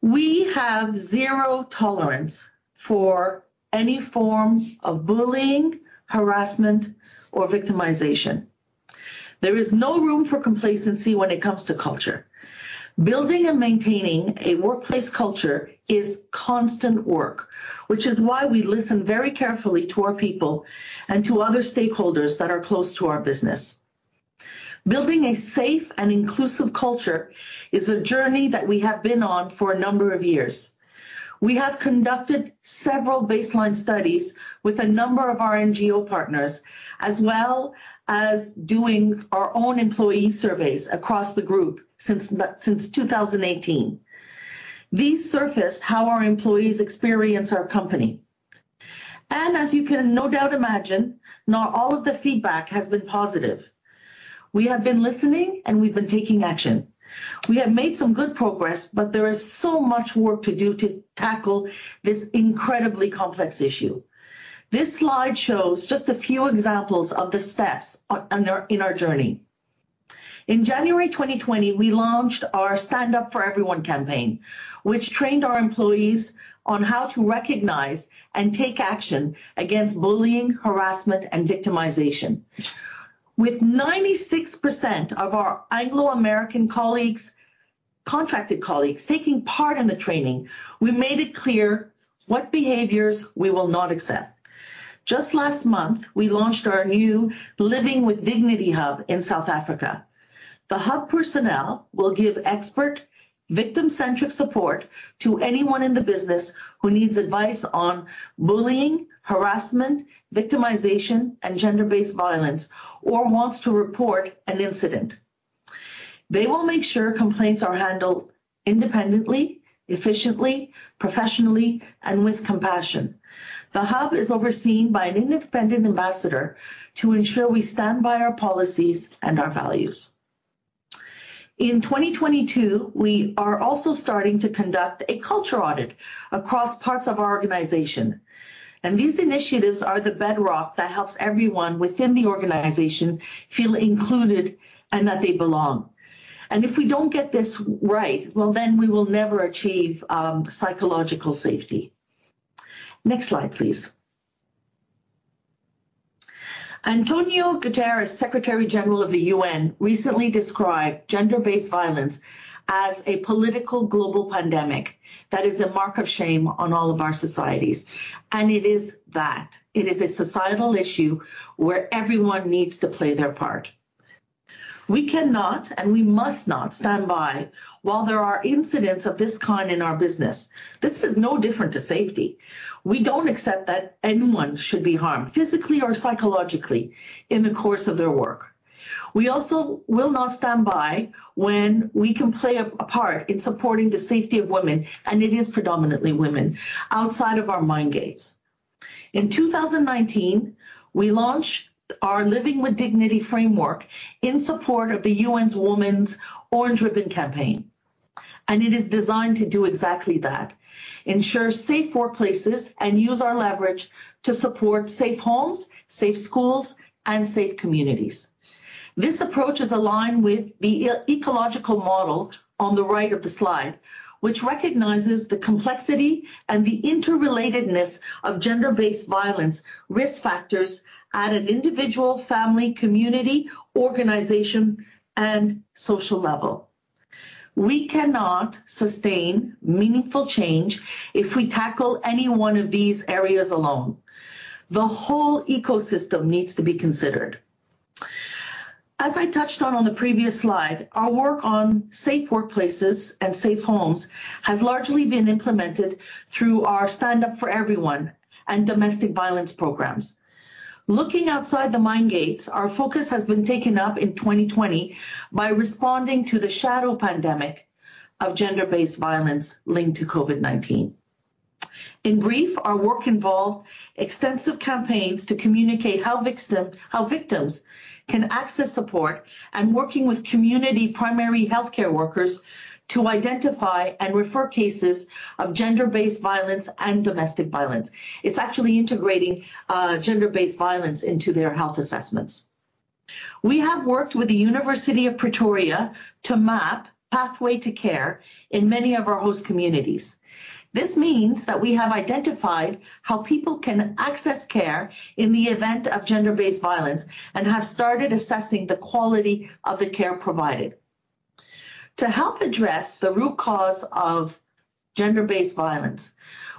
We have zero tolerance for any form of bullying, harassment, or victimization. There is no room for complacency when it comes to culture. Building and maintaining a workplace culture is constant work, which is why we listen very carefully to our people and to other stakeholders that are close to our business. Building a safe and inclusive culture is a journey that we have been on for a number of years. We have conducted several baseline studies with a number of our NGO partners, as well as doing our own employee surveys across the group since 2018. These surfaced how our employees experience our company. As you can no doubt imagine, not all of the feedback has been positive. We have been listening, and we've been taking action. We have made some good progress, but there is so much work to do to tackle this incredibly complex issue. This slide shows just a few examples of the steps on our journey. In January 2020, we launched our Stand Up For Everyone campaign, which trained our employees on how to recognize and take action against bullying, harassment, and victimization. With 96% of our Anglo American colleagues, contracted colleagues taking part in the training, we made it clear what behaviors we will not accept. Just last month, we launched our new Living with Dignity hub in South Africa. The hub personnel will give expert victim-centric support to anyone in the business who needs advice on bullying, harassment, victimization, and gender-based violence or wants to report an incident. They will make sure complaints are handled independently, efficiently, professionally, and with compassion. The hub is overseen by an independent ambassador to ensure we stand by our policies and our values. In 2022, we are also starting to conduct a culture audit across parts of our organization, and these initiatives are the bedrock that helps everyone within the organization feel included and that they belong. If we don't get this right, well, then we will never achieve psychological safety. Next slide, please. António Guterres, Secretary-General of the UN, recently described gender-based violence as a political global pandemic that is a mark of shame on all of our societies, and it is that. It is a societal issue where everyone needs to play their part. We cannot, and we must not stand by while there are incidents of this kind in our business. This is no different to safety. We don't accept that anyone should be harmed physically or psychologically in the course of their work. We also will not stand by when we can play a part in supporting the safety of women, and it is predominantly women, outside of our mine gates. In 2019, we launched our Living with Dignity framework in support of the UN's Orange the World campaign, and it is designed to do exactly that, ensure safe workplaces and use our leverage to support safe homes, safe schools, and safe communities. This approach is aligned with the ecological model on the right of the slide, which recognizes the complexity and the interrelatedness of gender-based violence risk factors at an individual, family, community, organization, and social level. We cannot sustain meaningful change if we tackle any one of these areas alone. The whole ecosystem needs to be considered. As I touched on on the previous slide, our work on safe workplaces and safe homes has largely been implemented through our Stand Up For Everyone and domestic violence programs. Looking outside the mine gates, our focus has been taken up in 2020 by responding to the shadow pandemic of gender-based violence linked to COVID-19. In brief, our work involved extensive campaigns to communicate how victims can access support and working with community primary healthcare workers to identify and refer cases of gender-based violence and domestic violence. It's actually integrating gender-based violence into their health assessments. We have worked with the University of Pretoria to map pathway to care in many of our host communities. This means that we have identified how people can access care in the event of gender-based violence and have started assessing the quality of the care provided. To help address the root cause of gender-based violence,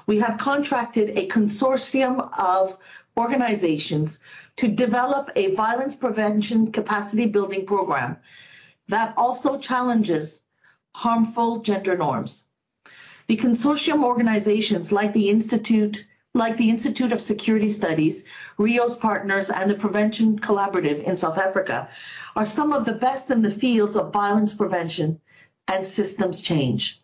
we have contracted a consortium of organizations to develop a violence prevention capacity-building program that also challenges harmful gender norms. The consortium organizations like the Institute for Security Studies, Reos Partners, and The Prevention Collaborative in South Africa are some of the best in the fields of violence prevention and systems change.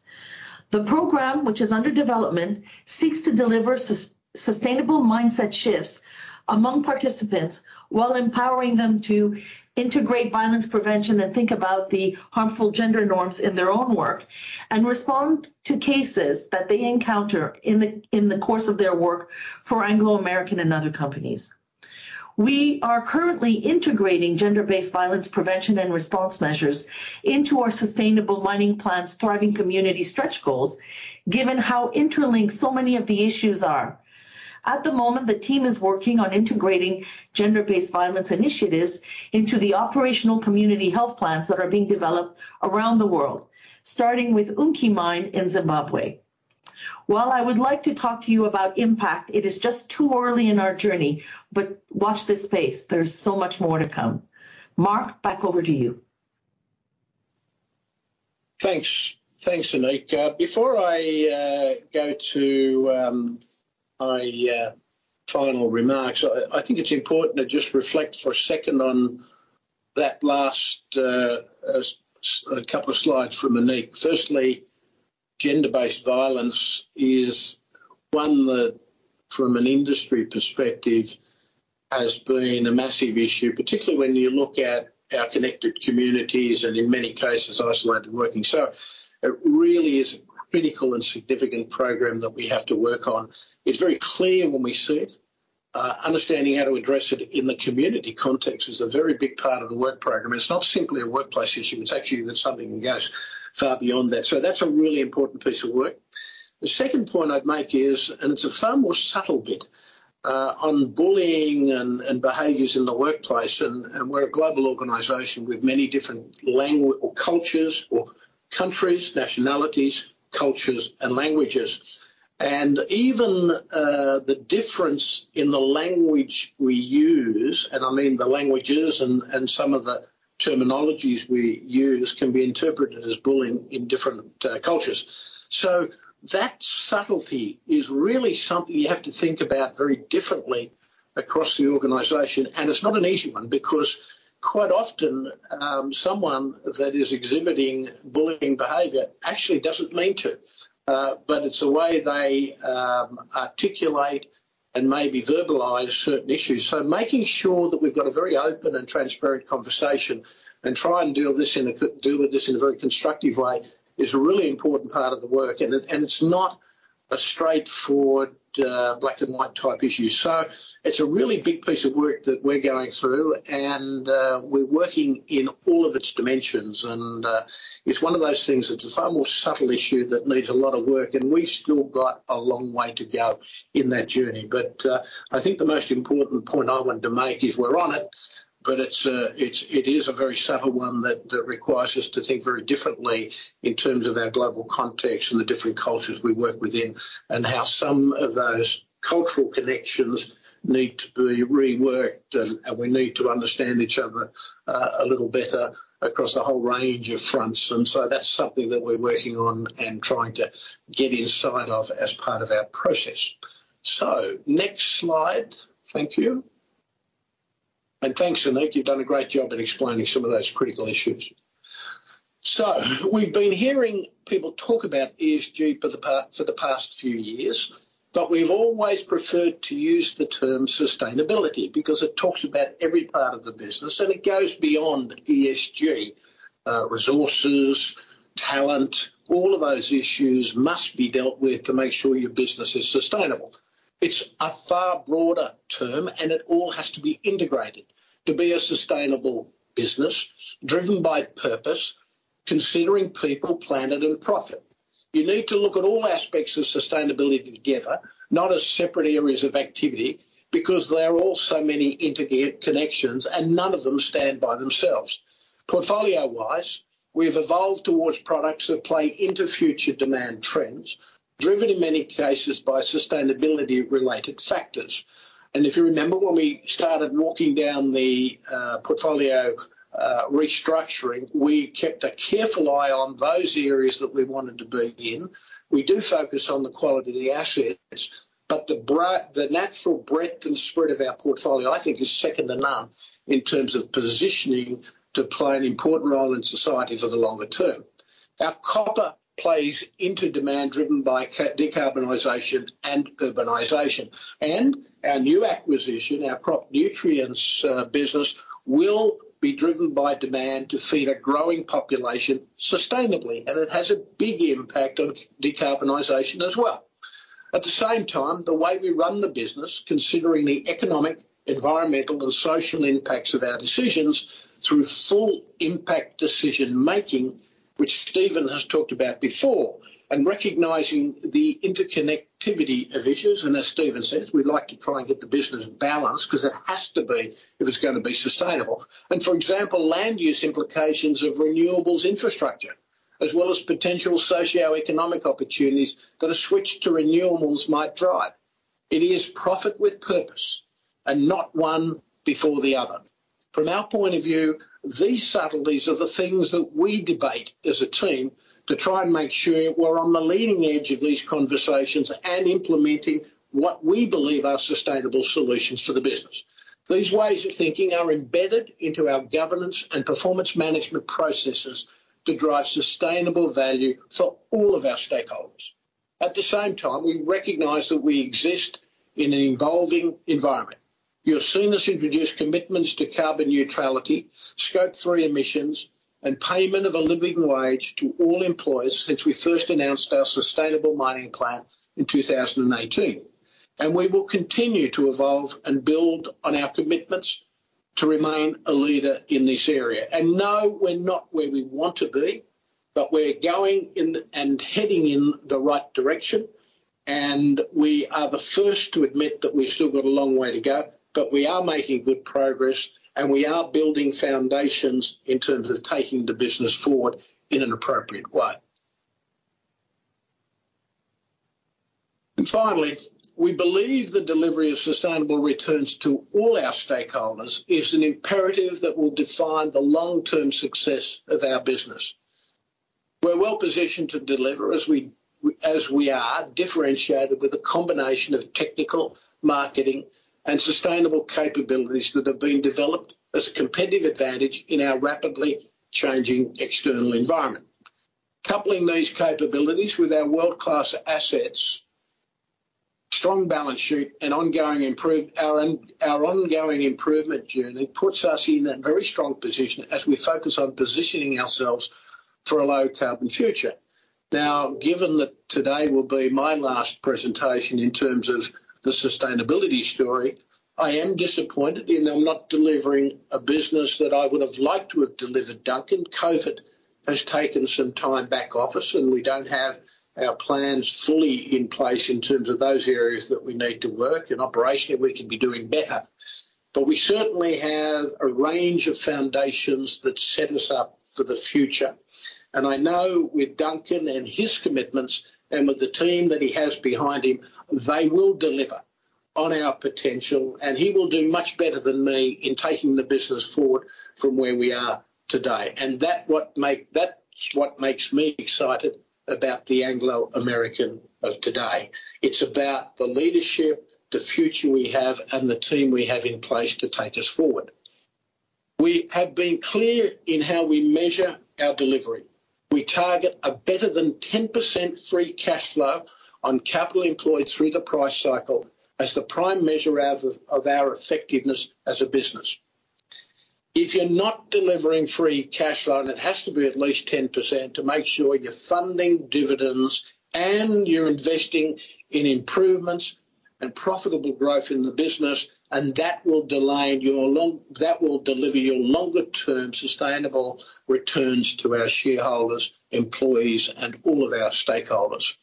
The program, which is under development, seeks to deliver sustainable mindset shifts among participants while empowering them to integrate violence prevention and think about the harmful gender norms in their own work and respond to cases that they encounter in the course of their work for Anglo American and other companies. We are currently integrating gender-based violence prevention and response measures into our sustainable mining plans thriving community stretch goals, given how interlinked so many of the issues are. At the moment, the team is working on integrating gender-based violence initiatives into the operational community health plans that are being developed around the world, starting with Unki Mine in Zimbabwe. While I would like to talk to you about impact, it is just too early in our journey. Watch this space. There is so much more to come. Mark, back over to you. Thanks. Thanks, Anik. Before I go to my final remarks, I think it's important to just reflect for a second on that last couple of slides from Anik. Firstly, gender-based violence is one that, from an industry perspective, has been a massive issue, particularly when you look at our connected communities and in many cases isolated working. It really is a critical and significant program that we have to work on. It's very clear when we see it. Understanding how to address it in the community context is a very big part of the work program. It's not simply a workplace issue, it's actually that something goes far beyond that. That's a really important piece of work. The second point I'd make is, and it's a far more subtle bit, on bullying and behaviors in the workplace and we're a global organization with many different or cultures or countries, nationalities, cultures, and languages. Even the difference in the language we use, and I mean the languages and some of the terminologies we use can be interpreted as bullying in different cultures. That subtlety is really something you have to think about very differently across the organization. It's not an easy one because quite often someone that is exhibiting bullying behavior actually doesn't mean to, but it's the way they articulate and maybe verbalize certain issues. Making sure that we've got a very open and transparent conversation and deal with this in a very constructive way is a really important part of the work. It's not a straightforward black and white type issue. It's a really big piece of work that we're going through and we're working in all of its dimensions and it's one of those things that's a far more subtle issue that needs a lot of work, and we've still got a long way to go in that journey. I think the most important point I wanted to make is we're on it, but it is a very subtle one that requires us to think very differently in terms of our global context and the different cultures we work within, and how some of those cultural connections need to be reworked and we need to understand each other a little better across a whole range of fronts. That's something that we're working on and trying to get inside of as part of our process. Next slide. Thank you. Thanks, Anik. You've done a great job at explaining some of those critical issues. We've been hearing people talk about ESG for the past few years, but we've always preferred to use the term sustainability because it talks about every part of the business, and it goes beyond ESG. Resources, talent, all of those issues must be dealt with to make sure your business is sustainable. It's a far broader term, and it all has to be integrated to be a sustainable business driven by purpose, considering people, planet and profit. You need to look at all aspects of sustainability together, not as separate areas of activity because there are so many connections and none of them stand by themselves. Portfolio-wise, we've evolved towards products that play into future demand trends, driven in many cases by sustainability related factors. If you remember when we started walking down the portfolio restructuring, we kept a careful eye on those areas that we wanted to be in. We do focus on the quality of the assets, but the natural breadth and spread of our portfolio, I think is second to none in terms of positioning to play an important role in society for the longer term. Our copper plays into demand driven by decarbonization and urbanization. Our new acquisition, our crop nutrients business, will be driven by demand to feed a growing population sustainably, and it has a big impact on decarbonization as well. At the same time, the way we run the business, considering the economic, environmental, and social impacts of our decisions through full impact decision-making, which Stephen has talked about before, and recognizing the interconnectivity of issues, and as Stephen says, we'd like to try and get the business balanced 'cause it has to be if it's gonna be sustainable. For example, land use implications of renewables infrastructure, as well as potential socioeconomic opportunities that a switch to renewables might drive. It is profit with purpose, and not one before the other. From our point of view, these subtleties are the things that we debate as a team to try and make sure we're on the leading edge of these conversations and implementing what we believe are sustainable solutions for the business. These ways of thinking are embedded into our governance and performance management processes to drive sustainable value for all of our stakeholders. At the same time, we recognize that we exist in an evolving environment. You'll see us introduce commitments to carbon neutrality, Scope 3 emissions, and payment of a living wage to all employees since we first announced our Sustainable Mining Plan in 2018. We will continue to evolve and build on our commitments to remain a leader in this area. No, we're not where we want to be, but we're heading in the right direction, and we are the first to admit that we've still got a long way to go. We are making good progress, and we are building foundations in terms of taking the business forward in an appropriate way. Finally, we believe the delivery of sustainable returns to all our stakeholders is an imperative that will define the long-term success of our business. We're well-positioned to deliver as we are differentiated with a combination of technical, marketing, and sustainable capabilities that have been developed as a competitive advantage in our rapidly changing external environment. Coupling these capabilities with our world-class assets. Strong balance sheet and our ongoing improvement journey puts us in a very strong position as we focus on positioning ourselves for a low carbon future. Now, given that today will be my last presentation in terms of the sustainability story, I am disappointed in them not delivering a business that I would have liked to have delivered, Duncan. COVID has taken some time back office, and we don't have our plans fully in place in terms of those areas that we need to work, and operationally, we could be doing better. We certainly have a range of foundations that set us up for the future. I know with Duncan and his commitments and with the team that he has behind him, they will deliver on our potential, and he will do much better than me in taking the business forward from where we are today. That's what makes me excited about the Anglo American of today. It's about the leadership, the future we have, and the team we have in place to take us forward. We have been clear in how we measure our delivery. We target a better than 10% free cash flow on capital employed through the price cycle as the prime measure of our effectiveness as a business. If you're not delivering free cash flow, and it has to be at least 10% to make sure you're funding dividends and you're investing in improvements and profitable growth in the business, and that will deliver your longer-term sustainable returns to our shareholders, employees, and all of our stakeholders.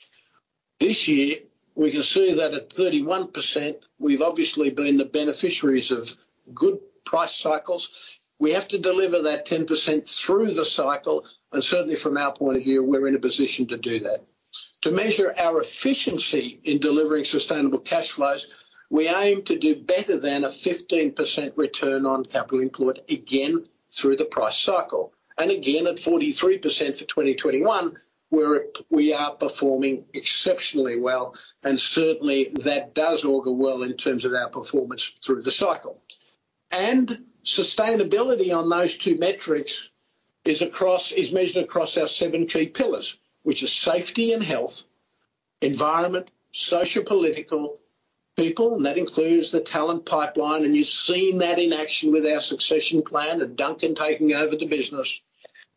This year, we can see that at 31%, we've obviously been the beneficiaries of good price cycles. We have to deliver that 10% through the cycle, and certainly from our point of view, we're in a position to do that. To measure our efficiency in delivering sustainable cash flows, we aim to do better than a 15% return on capital employed, again, through the price cycle. Again, at 43% for 2021, we are performing exceptionally well, and certainly that does augur well in terms of our performance through the cycle. Sustainability on those two metrics is measured across our seven key pillars, which are safety and health, environment, social, political, people, and that includes the talent pipeline. You've seen that in action with our succession plan and Duncan taking over the business.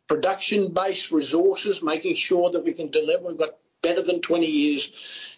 Production-based resources, making sure that we can deliver. We've got better than 20 years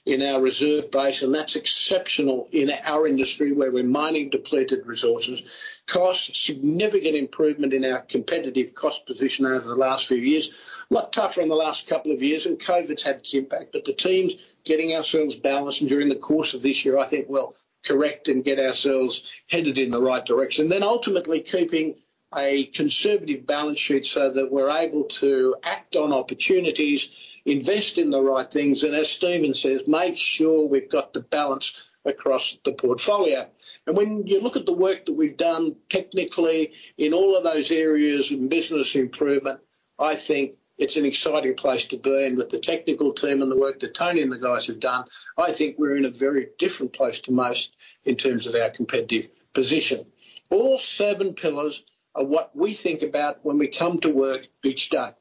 in our reserve base, and that's exceptional in our industry where we're mining depleted resources. Cost, significant improvement in our competitive cost position over the last few years. A lot tougher in the last couple of years and COVID's had its impact. The team's getting ourselves balanced, and during the course of this year, I think we'll correct and get ourselves headed in the right direction. Ultimately keeping a conservative balance sheet so that we're able to act on opportunities, invest in the right things, and as Stephen says, make sure we've got the balance across the portfolio. When you look at the work that we've done technically in all of those areas in business improvement, I think it's an exciting place to be. With the technical team and the work that Tony and the guys have done, I think we're in a very different place to most in terms of our competitive position. All seven pillars are what we think about when we come to work each day.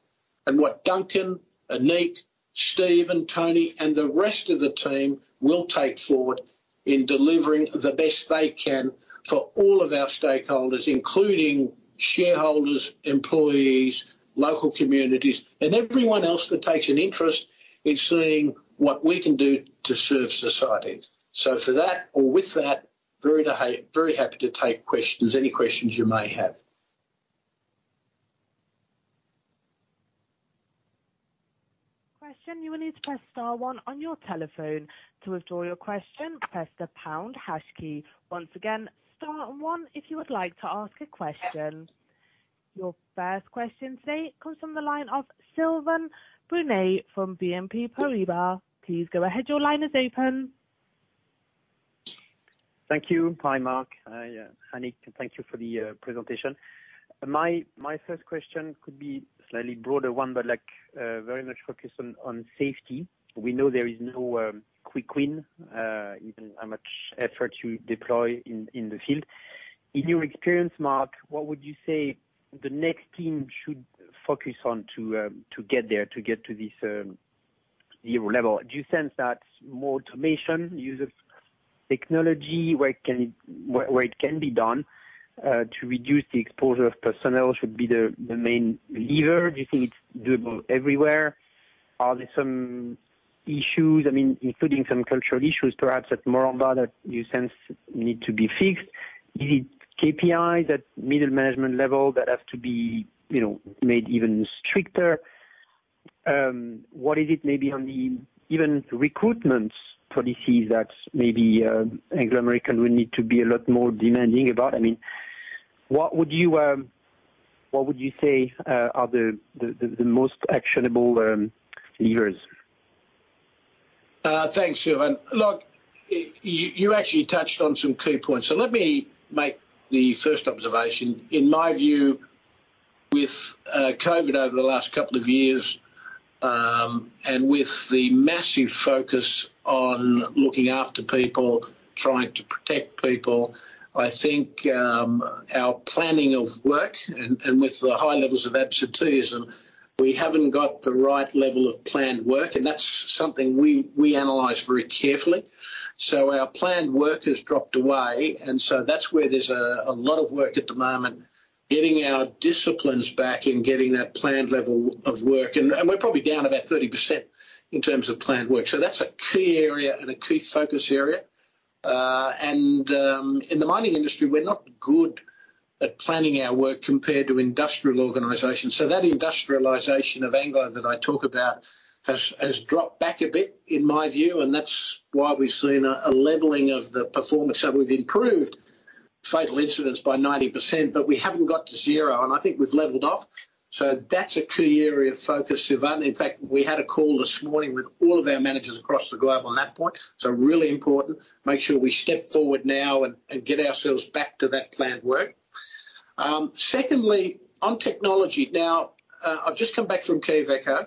What Duncan, Anik, Steven, Tony, and the rest of the team will take forward in delivering the best they can for all of our stakeholders, including shareholders, employees, local communities, and everyone else that takes an interest in seeing what we can do to serve society. For that or with that, very happy to take questions, any questions you may have. question, you will need to press star one on your telephone. To withdraw your question, press the pound hash key. Once again, star one if you would like to ask a question. Your first question today comes from the line of Sylvain Brunet from BNP Paribas. Please go ahead. Your line is open. Thank you. Hi, Mark. Hi, Anik. Thank you for the presentation. My first question could be slightly broader one, but like very much focused on safety. We know there is no quick win even how much effort you deploy in the field. In your experience, Mark, what would you say the next team should focus on to get there, to get to this zero level? Do you sense that more automation, use of technology, where it can be done to reduce the exposure of personnel should be the main lever? Do you think it's doable everywhere? Are there some issues, I mean, including some cultural issues, perhaps at Moranbah that you sense need to be fixed? Is it KPIs at middle management level that have to be, you know, made even stricter? What is it maybe on the even recruitment policies that maybe Anglo American would need to be a lot more demanding about? I mean, what would you say are the most actionable levers? Thanks, Sylvain. Look, you actually touched on some key points. Let me make the first observation. In my view, with COVID over the last couple of years, and with the massive focus on looking after people, trying to protect people, I think our planning of work and with the high levels of absenteeism. We haven't got the right level of planned work, and that's something we analyze very carefully. Our planned work has dropped away, and that's where there's a lot of work at the moment, getting our disciplines back and getting that planned level of work. We're probably down about 30% in terms of planned work. That's a key area and a key focus area. In the mining industry, we're not good at planning our work compared to industrial organizations. That industrialization of Anglo that I talk about has dropped back a bit in my view, and that's why we've seen a leveling of the performance. We've improved fatal incidents by 90%, but we haven't got to zero, and I think we've leveled off. That's a key area of focus, Sylvain. In fact, we had a call this morning with all of our managers across the globe on that point. Really important. Make sure we step forward now and get ourselves back to that planned work. Secondly, on technology. Now, I've just come back from Quellaveco.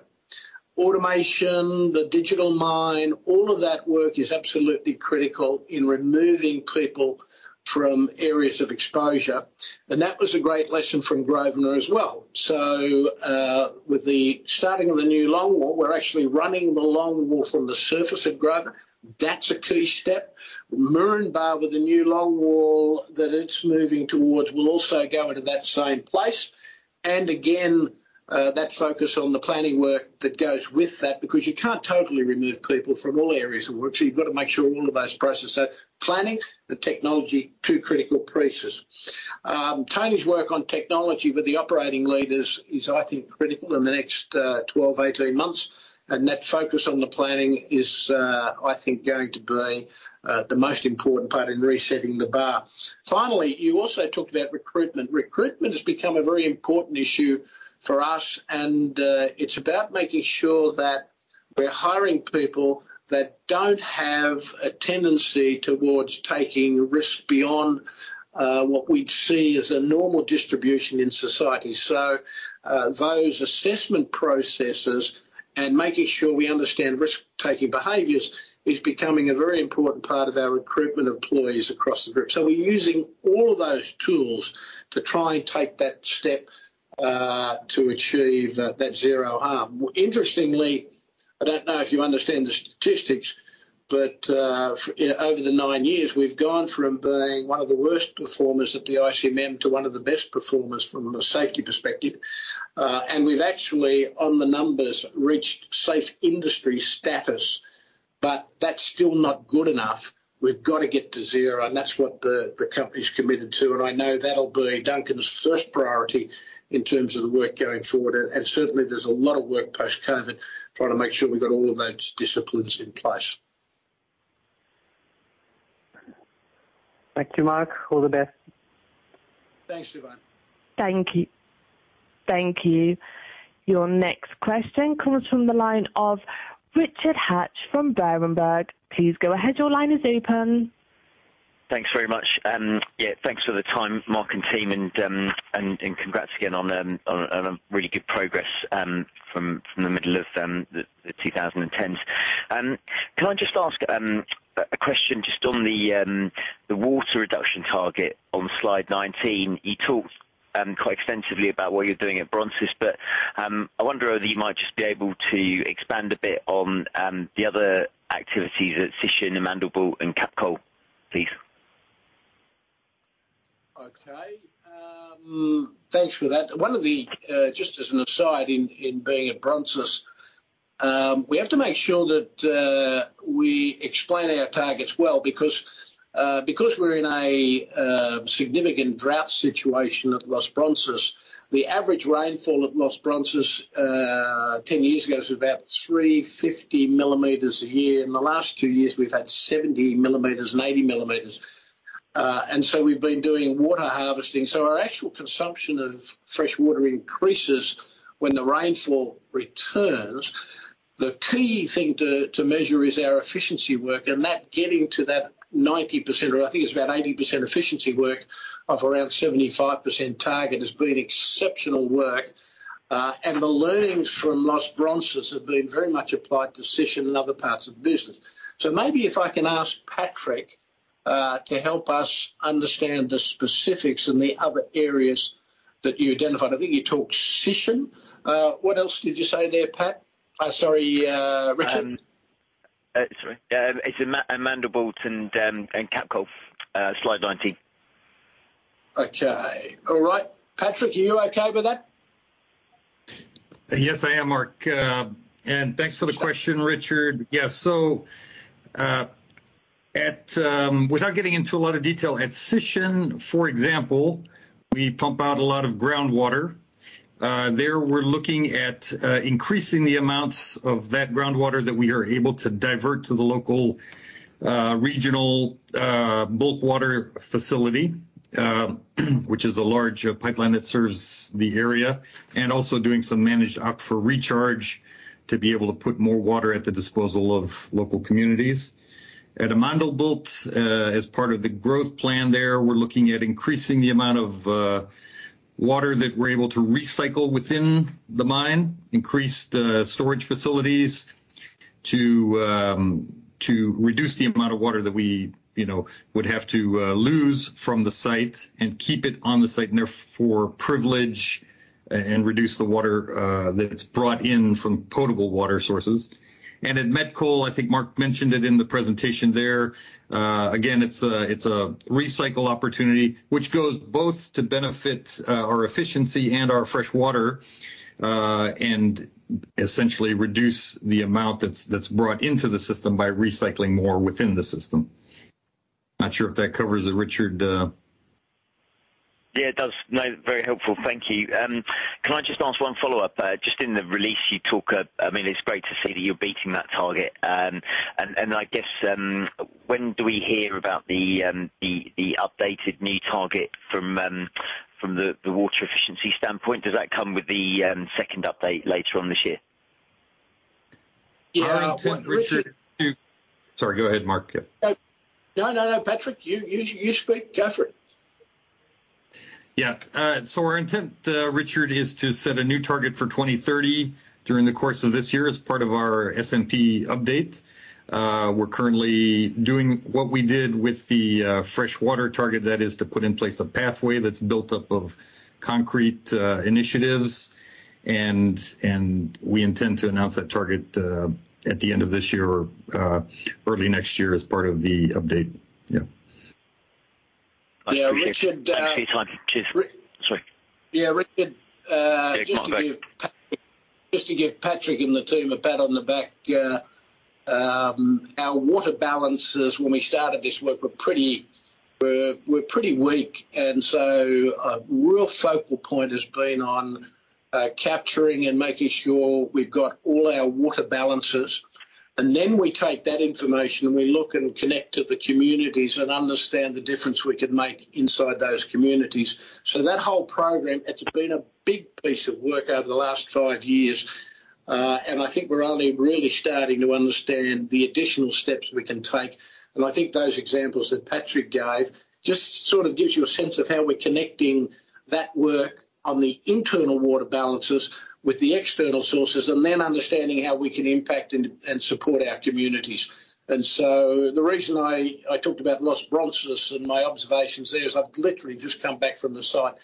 Automation, the digital mine, all of that work is absolutely critical in removing people from areas of exposure, and that was a great lesson from Grosvenor as well. With the starting of the new longwall, we're actually running the longwall from the surface at Grosvenor. That's a key step. Moranbah with the new longwall that it's moving towards will also go into that same place. Again, that focus on the planning work that goes with that because you can't totally remove people from all areas of work. You've got to make sure all of those processes. Planning and technology, two critical pieces. Tony's work on technology with the operating leaders is, I think, critical in the next 12, 18 months. That focus on the planning is, I think, going to be the most important part in resetting the bar. Finally, you also talked about recruitment. Recruitment has become a very important issue for us, and, it's about making sure that we're hiring people that don't have a tendency towards taking risk beyond, what we'd see as a normal distribution in society. Those assessment processes and making sure we understand risk-taking behaviors is becoming a very important part of our recruitment of employees across the group. We're using all of those tools to try and take that step, to achieve that zero harm. Interestingly, I don't know if you understand the statistics, but, over the nine years, we've gone from being one of the worst performers at the ICMM to one of the best performers from a safety perspective. We've actually, on the numbers, reached safe industry status, but that's still not good enough. We've got to get to zero, and that's what the company's committed to. I know that'll be Duncan's first priority in terms of the work going forward. Certainly, there's a lot of work post-COVID, trying to make sure we've got all of those disciplines in place. Thank you, Mark. All the best. Thanks, Sylvain. Thank you. Your next question comes from the line of Richard Hatch from Berenberg. Please go ahead. Your line is open. Thanks very much. Yeah, thanks for the time, Mark and team, and congrats again on really good progress from the middle of the 2010s. Can I just ask a question just on the water reduction target on slide 19? You talked quite extensively about what you're doing at Los Bronces, but I wonder whether you might just be able to expand a bit on the other activities at Sishen, Amandelbult and Capcoal, please. Okay. Thanks for that. One of the just as an aside in being at Los Bronces, we have to make sure that we explain our targets well because we're in a significant drought situation at Los Bronces. The average rainfall at Los Bronces 10 years ago was about 350 millimeters a year. In the last two years, we've had 70 millimeters and 80 millimeters. We've been doing water harvesting. Our actual consumption of fresh water increases when the rainfall returns. The key thing to measure is our efficiency work. That getting to that 90%, or I think it's about 80% efficiency work of around 75% target, has been exceptional work. The learnings from Los Bronces have been very much applied to Sishen and other parts of the business. Maybe if I can ask Patrick to help us understand the specifics in the other areas that you identified. I think you talked Sishen. What else did you say there, Pat? Sorry, Richard. It's Amandelbult and Capcoal, slide 19. Okay. All right. Patrick, are you okay with that? Yes, I am, Mark. Thanks for the question, Richard. Without getting into a lot of detail, at Sishen, for example, we pump out a lot of groundwater. There we're looking at increasing the amounts of that groundwater that we are able to divert to the local regional bulk water facility, which is a large pipeline that serves the area. Also doing some managed aquifer recharge to be able to put more water at the disposal of local communities. At Amandelbult, as part of the growth plan there, we're looking at increasing the amount of water that we're able to recycle within the mine, increase the storage facilities. To reduce the amount of water that we, you know, would have to lose from the site and keep it on the site and therefore privilege and reduce the water that's brought in from potable water sources. At Met Coal, I think Mark mentioned it in the presentation there, again, it's a recycle opportunity which goes both to benefit our efficiency and our fresh water and essentially reduce the amount that's brought into the system by recycling more within the system. Not sure if that covers it, Richard. Yeah, it does. No, very helpful. Thank you. Can I just ask one follow-up? Just in the release you talk, I mean, it's great to see that you're beating that target. And I guess, when do we hear about the updated new target from the water efficiency standpoint? Does that come with the second update later on this year? Yeah. Well, Richard. Our intent, Richard, to Sorry, go ahead, Mark. Yeah. No, Patrick, you speak. Go for it. Our intent, Richard, is to set a new target for 2030 during the course of this year as part of our SMP update. We're currently doing what we did with the freshwater target that is to put in place a pathway that's built up of concrete initiatives and we intend to announce that target at the end of this year or early next year as part of the update. Yeah. Richard, Thanks, Patrick. Cheers. Sorry. Yeah, Richard, Yeah, go on. Sorry. Just to give Patrick and the team a pat on the back, our water balances when we started this work were pretty weak. A real focal point has been on capturing and making sure we've got all our water balances, and then we take that information, and we look and connect to the communities and understand the difference we can make inside those communities. That whole program, it's been a big piece of work over the last five years, and I think we're only really starting to understand the additional steps we can take. I think those examples that Patrick gave just sort of gives you a sense of how we're connecting that work on the internal water balances with the external sources and then understanding how we can impact and support our communities. The reason I talked about Los Bronces and my observations there is I've literally just come back from the site,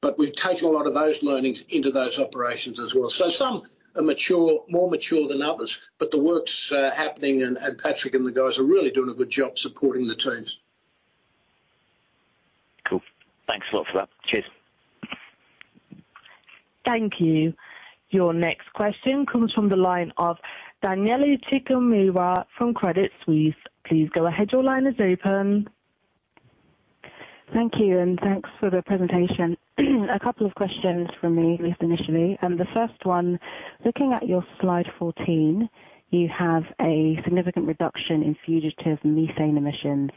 but we've taken a lot of those learnings into those operations as well. Some are mature, more mature than others, but the work's happening, and Patrick and the guys are really doing a good job supporting the teams. Cool. Thanks a lot for that. Cheers. Thank you. Your next question comes from the line of Danielle Chigumura from Credit Suisse. Please go ahead. Your line is open. Thank you. Thanks for the presentation. A couple of questions from me, at least initially. The first one, looking at your slide 14, you have a significant reduction in fugitive methane emissions,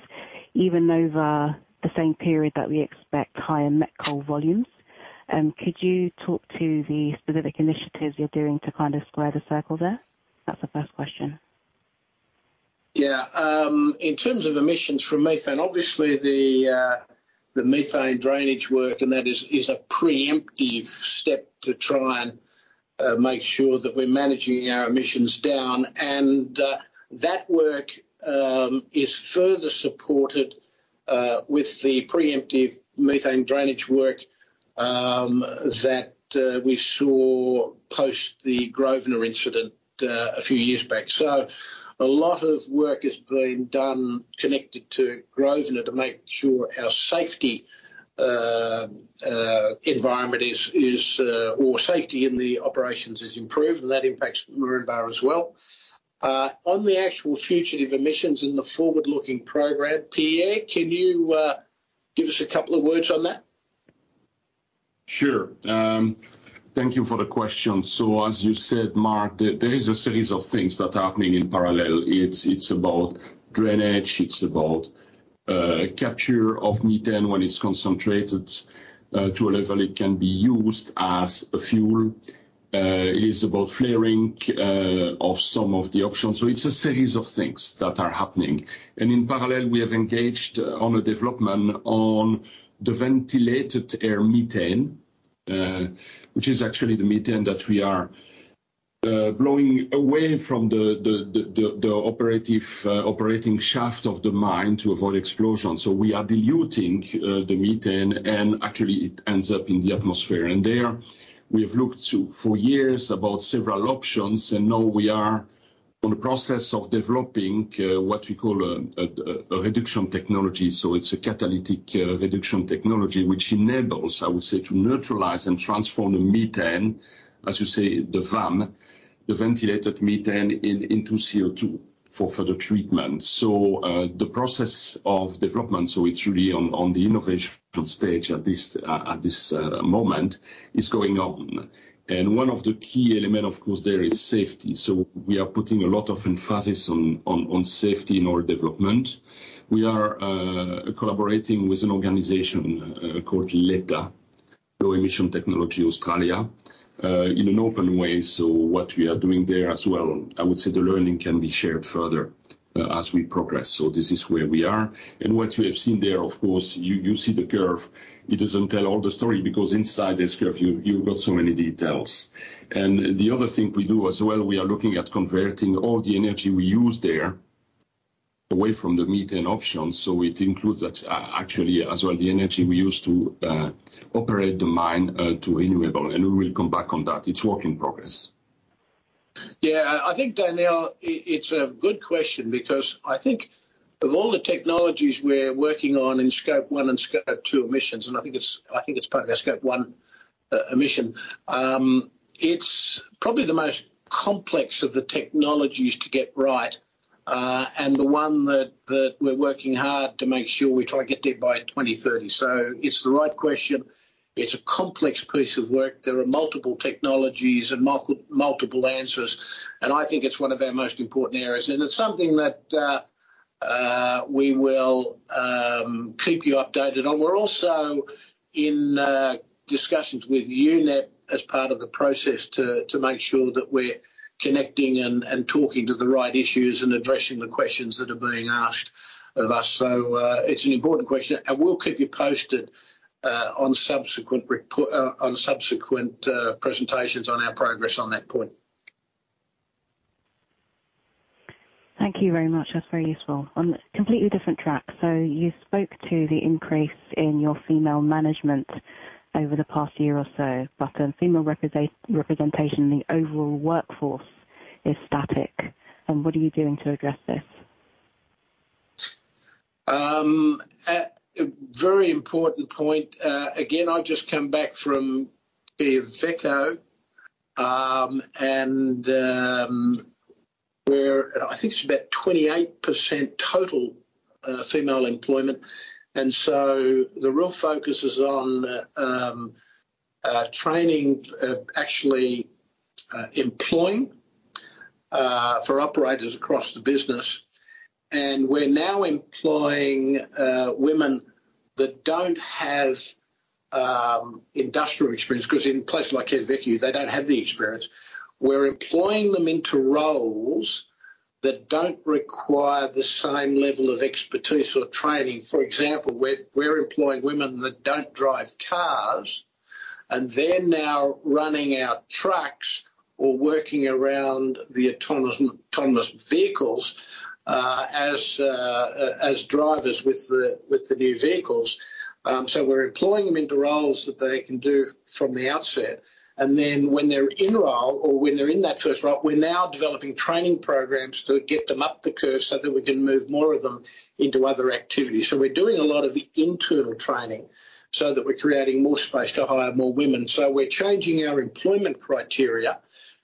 even over the same period that we expect higher met coal volumes. Could you talk to the specific initiatives you're doing to kind of square the circle there? That's the first question. Yeah. In terms of emissions from methane, obviously the methane drainage work, and that is a preemptive step to try and make sure that we're managing our emissions down. That work is further supported with the preemptive methane drainage work that we saw post the Grosvenor incident a few years back. A lot of work is being done connected to Grosvenor to make sure our safety in the operations is improved, and that impacts Moranbah as well. On the actual fugitive emissions in the forward-looking program, Pierre, can you give us a couple of words on that? Sure. Thank you for the question. As you said, Mark, there is a series of things that are happening in parallel. It's about drainage. It's about capture of methane when it's concentrated to a level it can be used as a fuel. It is about flaring of some of the options. It's a series of things that are happening. In parallel, we have engaged on a development on the ventilated air methane, which is actually the methane that we are blowing away from the operating shaft of the mine to avoid explosions. We are diluting the methane, and actually it ends up in the atmosphere. There we have looked to for years about several options, and now we are on the process of developing what we call a reduction technology. It's a catalytic reduction technology which enables, I would say, to neutralize and transform the methane, as you say, the VAM, the ventilated methane into CO2 for further treatment. The process of development, it's really on the innovation stage at this moment, is going on. One of the key element, of course, there is safety. We are putting a lot of emphasis on safety in our development. We are collaborating with an organization called LETA, Low Emission Technology Australia, in an open way. What we are doing there as well, I would say the learning can be shared further. As we progress. This is where we are. What you have seen there, of course, you see the curve. It doesn't tell all the story because inside this curve, you've got so many details. The other thing we do as well, we are looking at converting all the energy we use there away from the methane options. It includes actually as well the energy we use to operate the mine to renewable, and we will come back on that. It's work in progress. Yeah. I think, Danielle, it's a good question because I think of all the technologies we're working on in Scope 1 and Scope 2 emissions, and I think it's part of our Scope 1 emission. It's probably the most complex of the technologies to get right, and the one that we're working hard to make sure we try to get there by 2030. It's the right question. It's a complex piece of work. There are multiple technologies and multiple answers, and I think it's one of our most important areas, and it's something that we will keep you updated on. We're also in discussions with UNEP as part of the process to make sure that we're connecting and talking to the right issues and addressing the questions that are being asked of us. It's an important question, and we'll keep you posted on subsequent presentations on our progress on that point. Thank you very much. That's very useful. On a completely different track. So you spoke to the increase in your female management over the past year or so, but female representation in the overall workforce is static. What are you doing to address this? A very important point. Again, I've just come back from Quellaveco. I think it's about 28% total female employment. The real focus is on actually employing for operators across the business. We're now employing women that don't have industrial experience 'cause in places like Quellaveco, they don't have the experience. We're employing them into roles that don't require the same level of expertise or training. For example, we're employing women that don't drive cars, and they're now running our trucks or working around the autonomous vehicles as drivers with the new vehicles. We're employing them into roles that they can do from the outset. When they're in role, or when they're in that first role, we're now developing training programs to get them up the curve so that we can move more of them into other activities. We're doing a lot of internal training so that we're creating more space to hire more women. We're changing our employment criteria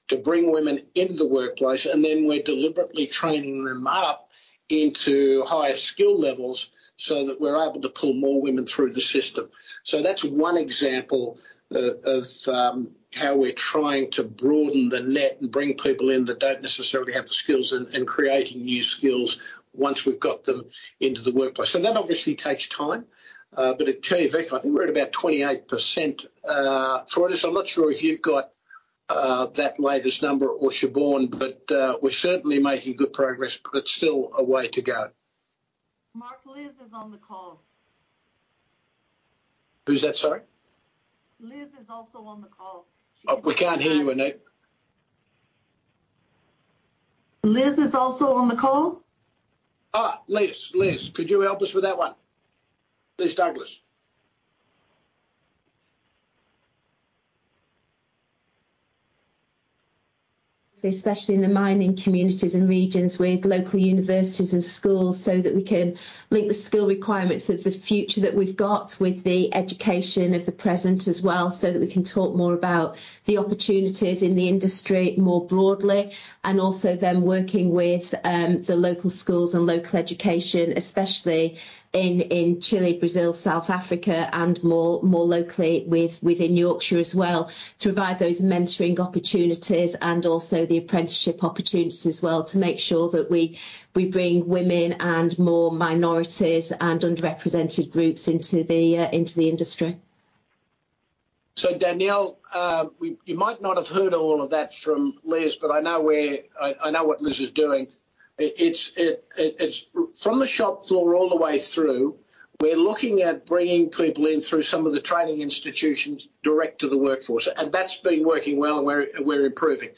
to bring women into the workplace, and then we're deliberately training them up into higher skill levels so that we're able to pull more women through the system. That's one example of how we're trying to broaden the net and bring people in that don't necessarily have the skills and creating new skills once we've got them into the workplace. That obviously takes time. At Quellaveco, I think we're at about 28%. Freudis, I'm not sure if you've got that latest number or Siobhán, but we're certainly making good progress, but it's still a way to go. Mark, Liz is on the call. Who's that? Sorry. Liz is also on the call. Oh, we can't hear you, Anik. Liz is also on the call. Liz. Liz, could you help us with that one? Liz Douglas. Especially in the mining communities and regions with local universities and schools, so that we can link the skill requirements of the future that we've got with the education of the present as well, so that we can talk more about the opportunities in the industry more broadly. Also then working with the local schools and local education, especially in Chile, Brazil, South Africa, and more locally within Yorkshire as well, to provide those mentoring opportunities and also the apprenticeship opportunities as well to make sure that we bring women and more minorities and underrepresented groups into the industry. Danielle, you might not have heard all of that from Liz, but I know what Liz is doing. It's from the shop floor all the way through. We're looking at bringing people in through some of the training institutions direct to the workforce, and that's been working well, and we're improving.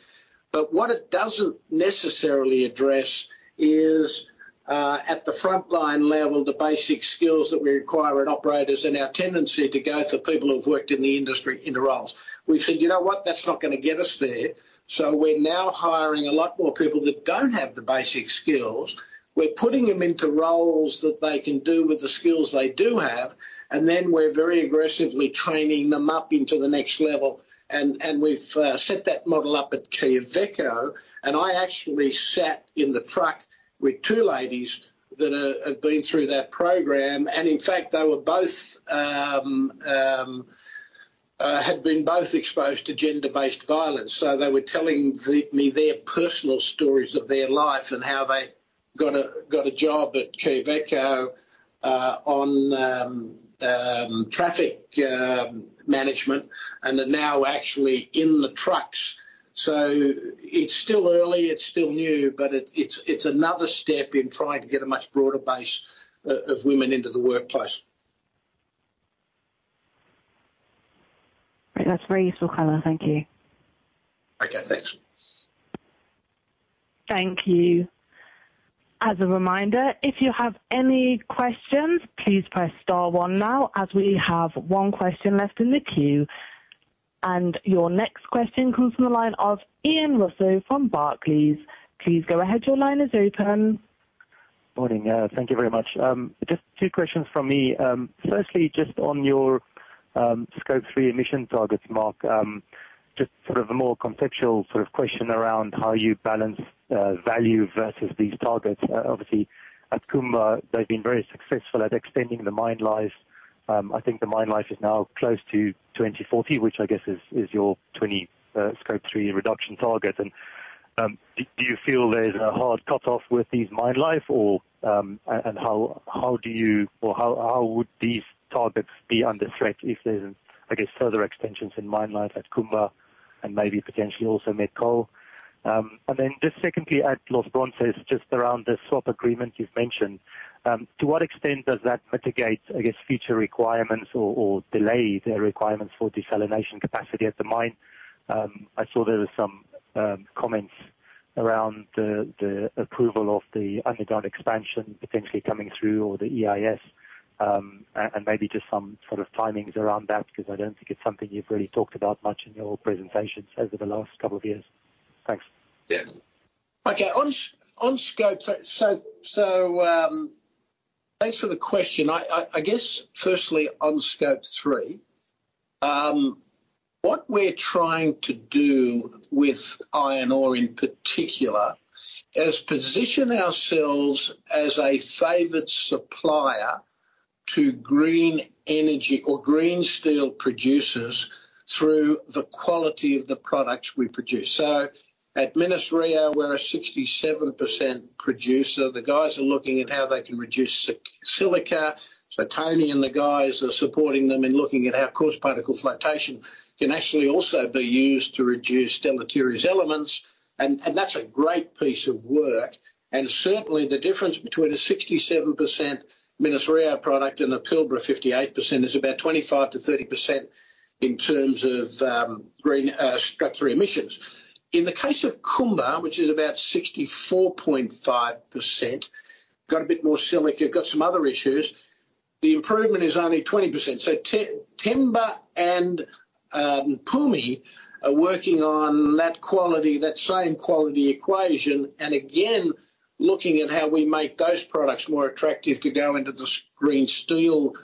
What it doesn't necessarily address is at the frontline level, the basic skills that we require in operators and our tendency to go for people who've worked in the industry in the roles. We've said, "You know what? That's not gonna get us there." We're now hiring a lot more people that don't have the basic skills. We're putting them into roles that they can do with the skills they do have, and then we're very aggressively training them up into the next level. We've set that model up at Quellaveco, and I actually sat in the truck with two ladies that have been through that program. In fact, they were both exposed to gender-based violence. They were telling me their personal stories of their life and how they got a job at Quellaveco on traffic management and they're now actually in the trucks. It's still early, it's still new, but it's another step in trying to get a much broader base of women into the workplace. Right. That's very useful color. Thank you. Okay, thanks. Thank you. As a reminder, if you have any questions, please press star one now, as we have one question left in the queue. Your next question comes from the line of Ian Rossouw from Barclays. Please go ahead, your line is open. Morning. Thank you very much. Just two questions from me. Firstly, just on your Scope 3 emission targets, Mark. Just sort of a more conceptual sort of question around how you balance value versus these targets? Obviously, at Kumba they've been very successful at extending the mine life. I think the mine life is now close to 2040, which I guess is your 20 Scope 3 reduction target. Do you feel there's a hard cutoff with this mine life or and how do you or how would these targets be under threat if there's further extensions in mine life at Kumba and maybe potentially also Met Coal? Just secondly at Los Bronces, just around the swap agreement you've mentioned, to what extent does that mitigate, I guess, future requirements or delay the requirements for desalination capacity at the mine? I saw there was some comments around the approval of the underground expansion potentially coming through or the EIS. Maybe just some sort of timings around that because I don't think it's something you've really talked about much in your presentations over the last couple of years. Thanks. Thanks for the question. I guess firstly on scope three, what we're trying to do with iron ore in particular is position ourselves as a favored supplier to green energy or green steel producers through the quality of the products we produce. At Minas-Rio we're a 67% producer. The guys are looking at how they can reduce silica. Tony and the guys are supporting them in looking at how coarse particle flotation can actually also be used to reduce deleterious elements. That's a great piece of work. Certainly the difference between a 67% Minas-Rio product and a Pilbara 58% is about 25%-30% in terms of green scope three emissions. In the case of Kumba, which is about 64.5%, got a bit more silica, got some other issues, the improvement is only 20%. Themba and Kumi are working on that quality, that same quality equation, and again, looking at how we make those products more attractive to go into the green steel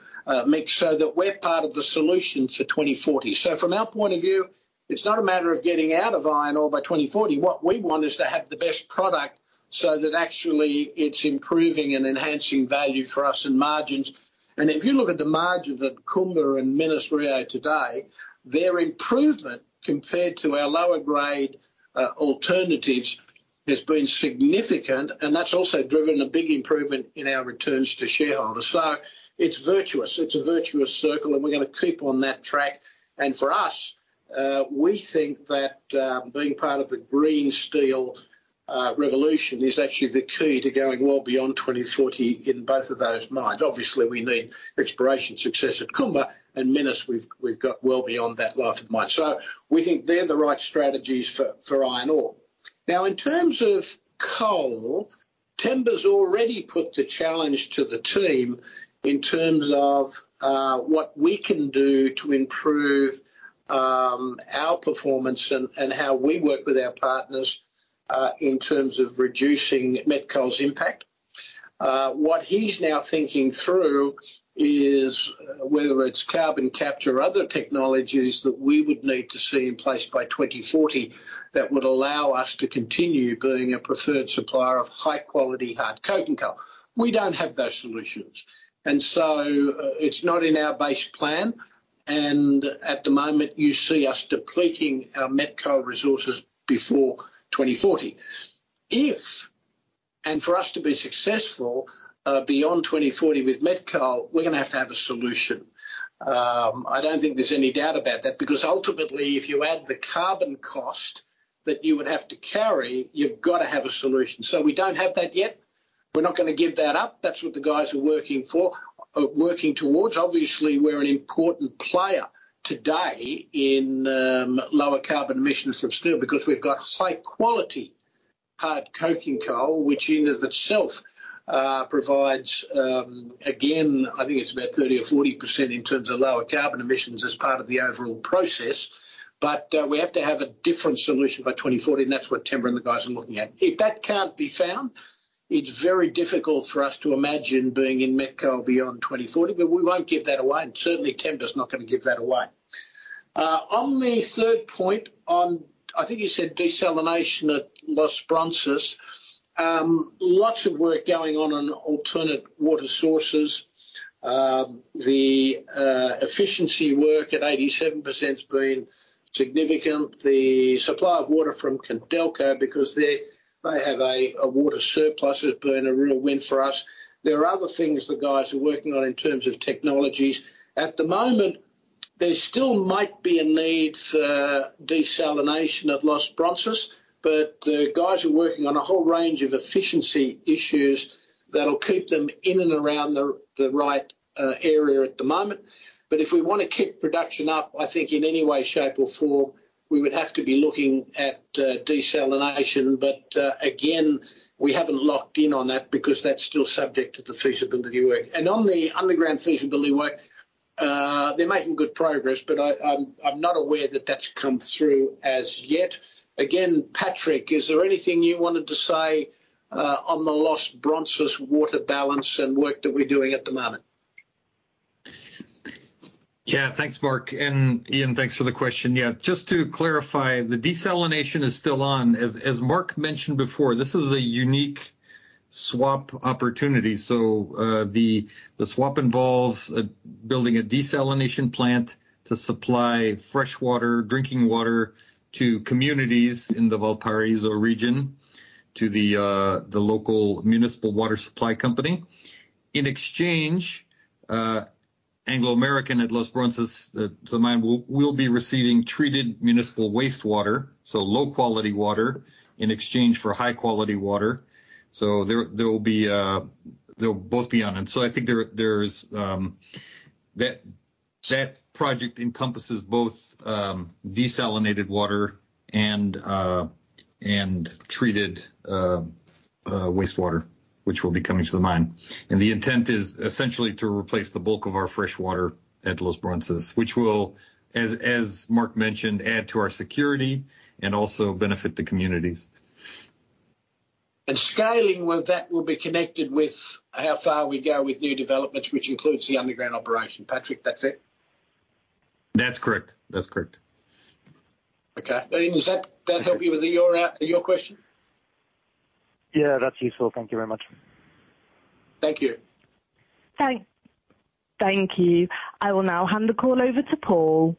mix so that we're part of the solution for 2040. From our point of view, it's not a matter of getting out of iron ore by 2040. What we want is to have the best product so that actually it's improving and enhancing value for us and margins. If you look at the margin that Kumba and Minas-Rio today, their improvement compared to our lower grade alternatives has been significant, and that's also driven a big improvement in our returns to shareholders. It's virtuous. It's a virtuous circle and we're gonna keep on that track. For us, we think that being part of the green steel revolution is actually the key to going well beyond 2040 in both of those mines. Obviously we need exploration success at Kumba and Minas. We've got well beyond that life of mine. We think they're the right strategies for iron ore. Now, in terms of coal, Themba's already put the challenge to the team in terms of what we can do to improve our performance and how we work with our partners in terms of reducing Met Coal's impact. What he's now thinking through is whether it's carbon capture or other technologies that we would need to see in place by 2040 that would allow us to continue being a preferred supplier of high-quality hard coking coal. We don't have those solutions, and so it's not in our base plan, and at the moment you see us depleting our Met Coal resources before 2040. And for us to be successful beyond 2040 with Met Coal, we're gonna have to have a solution. I don't think there's any doubt about that because ultimately if you add the carbon cost that you would have to carry, you've gotta have a solution. We don't have that yet. We're not gonna give that up. That's what the guys are working for, working towards. Obviously, we're an important player today in lower carbon emissions from steel because we've got high quality hard coking coal, which in and of itself provides again I think it's about 30 or 40% in terms of lower carbon emissions as part of the overall process. We have to have a different solution by 2040, and that's what Duncan Wanblad and the guys are looking at. If that can't be found, it's very difficult for us to imagine being in Met Coal beyond 2040, but we won't give that away, and certainly Duncan Wanblad's not gonna give that away. On the third point on, I think you said desalination at Los Bronces. Lots of work going on on alternate water sources. The efficiency work at 87%'s been significant. The supply of water from Codelco, because they have a water surplus, has been a real win for us. There are other things the guys are working on in terms of technologies. At the moment, there still might be a need for desalination at Los Bronces, but the guys are working on a whole range of efficiency issues that'll keep them in and around the right area at the moment. If we wanna keep production up, I think in any way, shape, or form, we would have to be looking at desalination. Again, we haven't locked in on that because that's still subject to the feasibility work. On the underground feasibility work, they're making good progress, but I'm not aware that that's come through as yet. Again, Patrick, is there anything you wanted to say on the Los Bronces water balance and work that we're doing at the moment? Yeah. Thanks, Mark. Ian, thanks for the question. Yeah. Just to clarify, the desalination is still on. As Mark mentioned before, this is a unique swap opportunity. The swap involves building a desalination plant to supply fresh water, drinking water to communities in the Valparaíso region to the local municipal water supply company. In exchange, Anglo American at Los Bronces mine will be receiving treated municipal wastewater, low quality water in exchange for high quality water. There will be, they'll both be on it. I think there's that project encompasses both, desalinated water and treated wastewater, which will be coming to the mine. The intent is essentially to replace the bulk of our fresh water at Los Bronces, which will, as Mark mentioned, add to our security and also benefit the communities. Scaling with that will be connected with how far we go with new developments, which includes the underground operation. Patrick, that's it? That's correct. That's correct. Okay. Ian, does that help you with your question? Yeah, that's useful. Thank you very much. Thank you. Thank you. I will now hand the call over to Paul.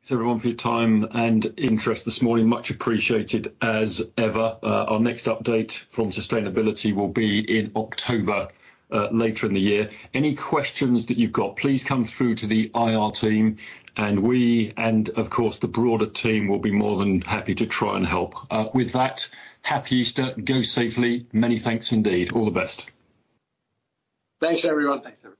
Thanks everyone for your time and interest this morning. Much appreciated as ever. Our next update from Sustainability will be in October, later in the year. Any questions that you've got, please come through to the IR team, and we, of course, the broader team will be more than happy to try and help. With that, Happy Easter. Go safely. Many thanks indeed. All the best. Thanks, everyone. Thanks, everyone.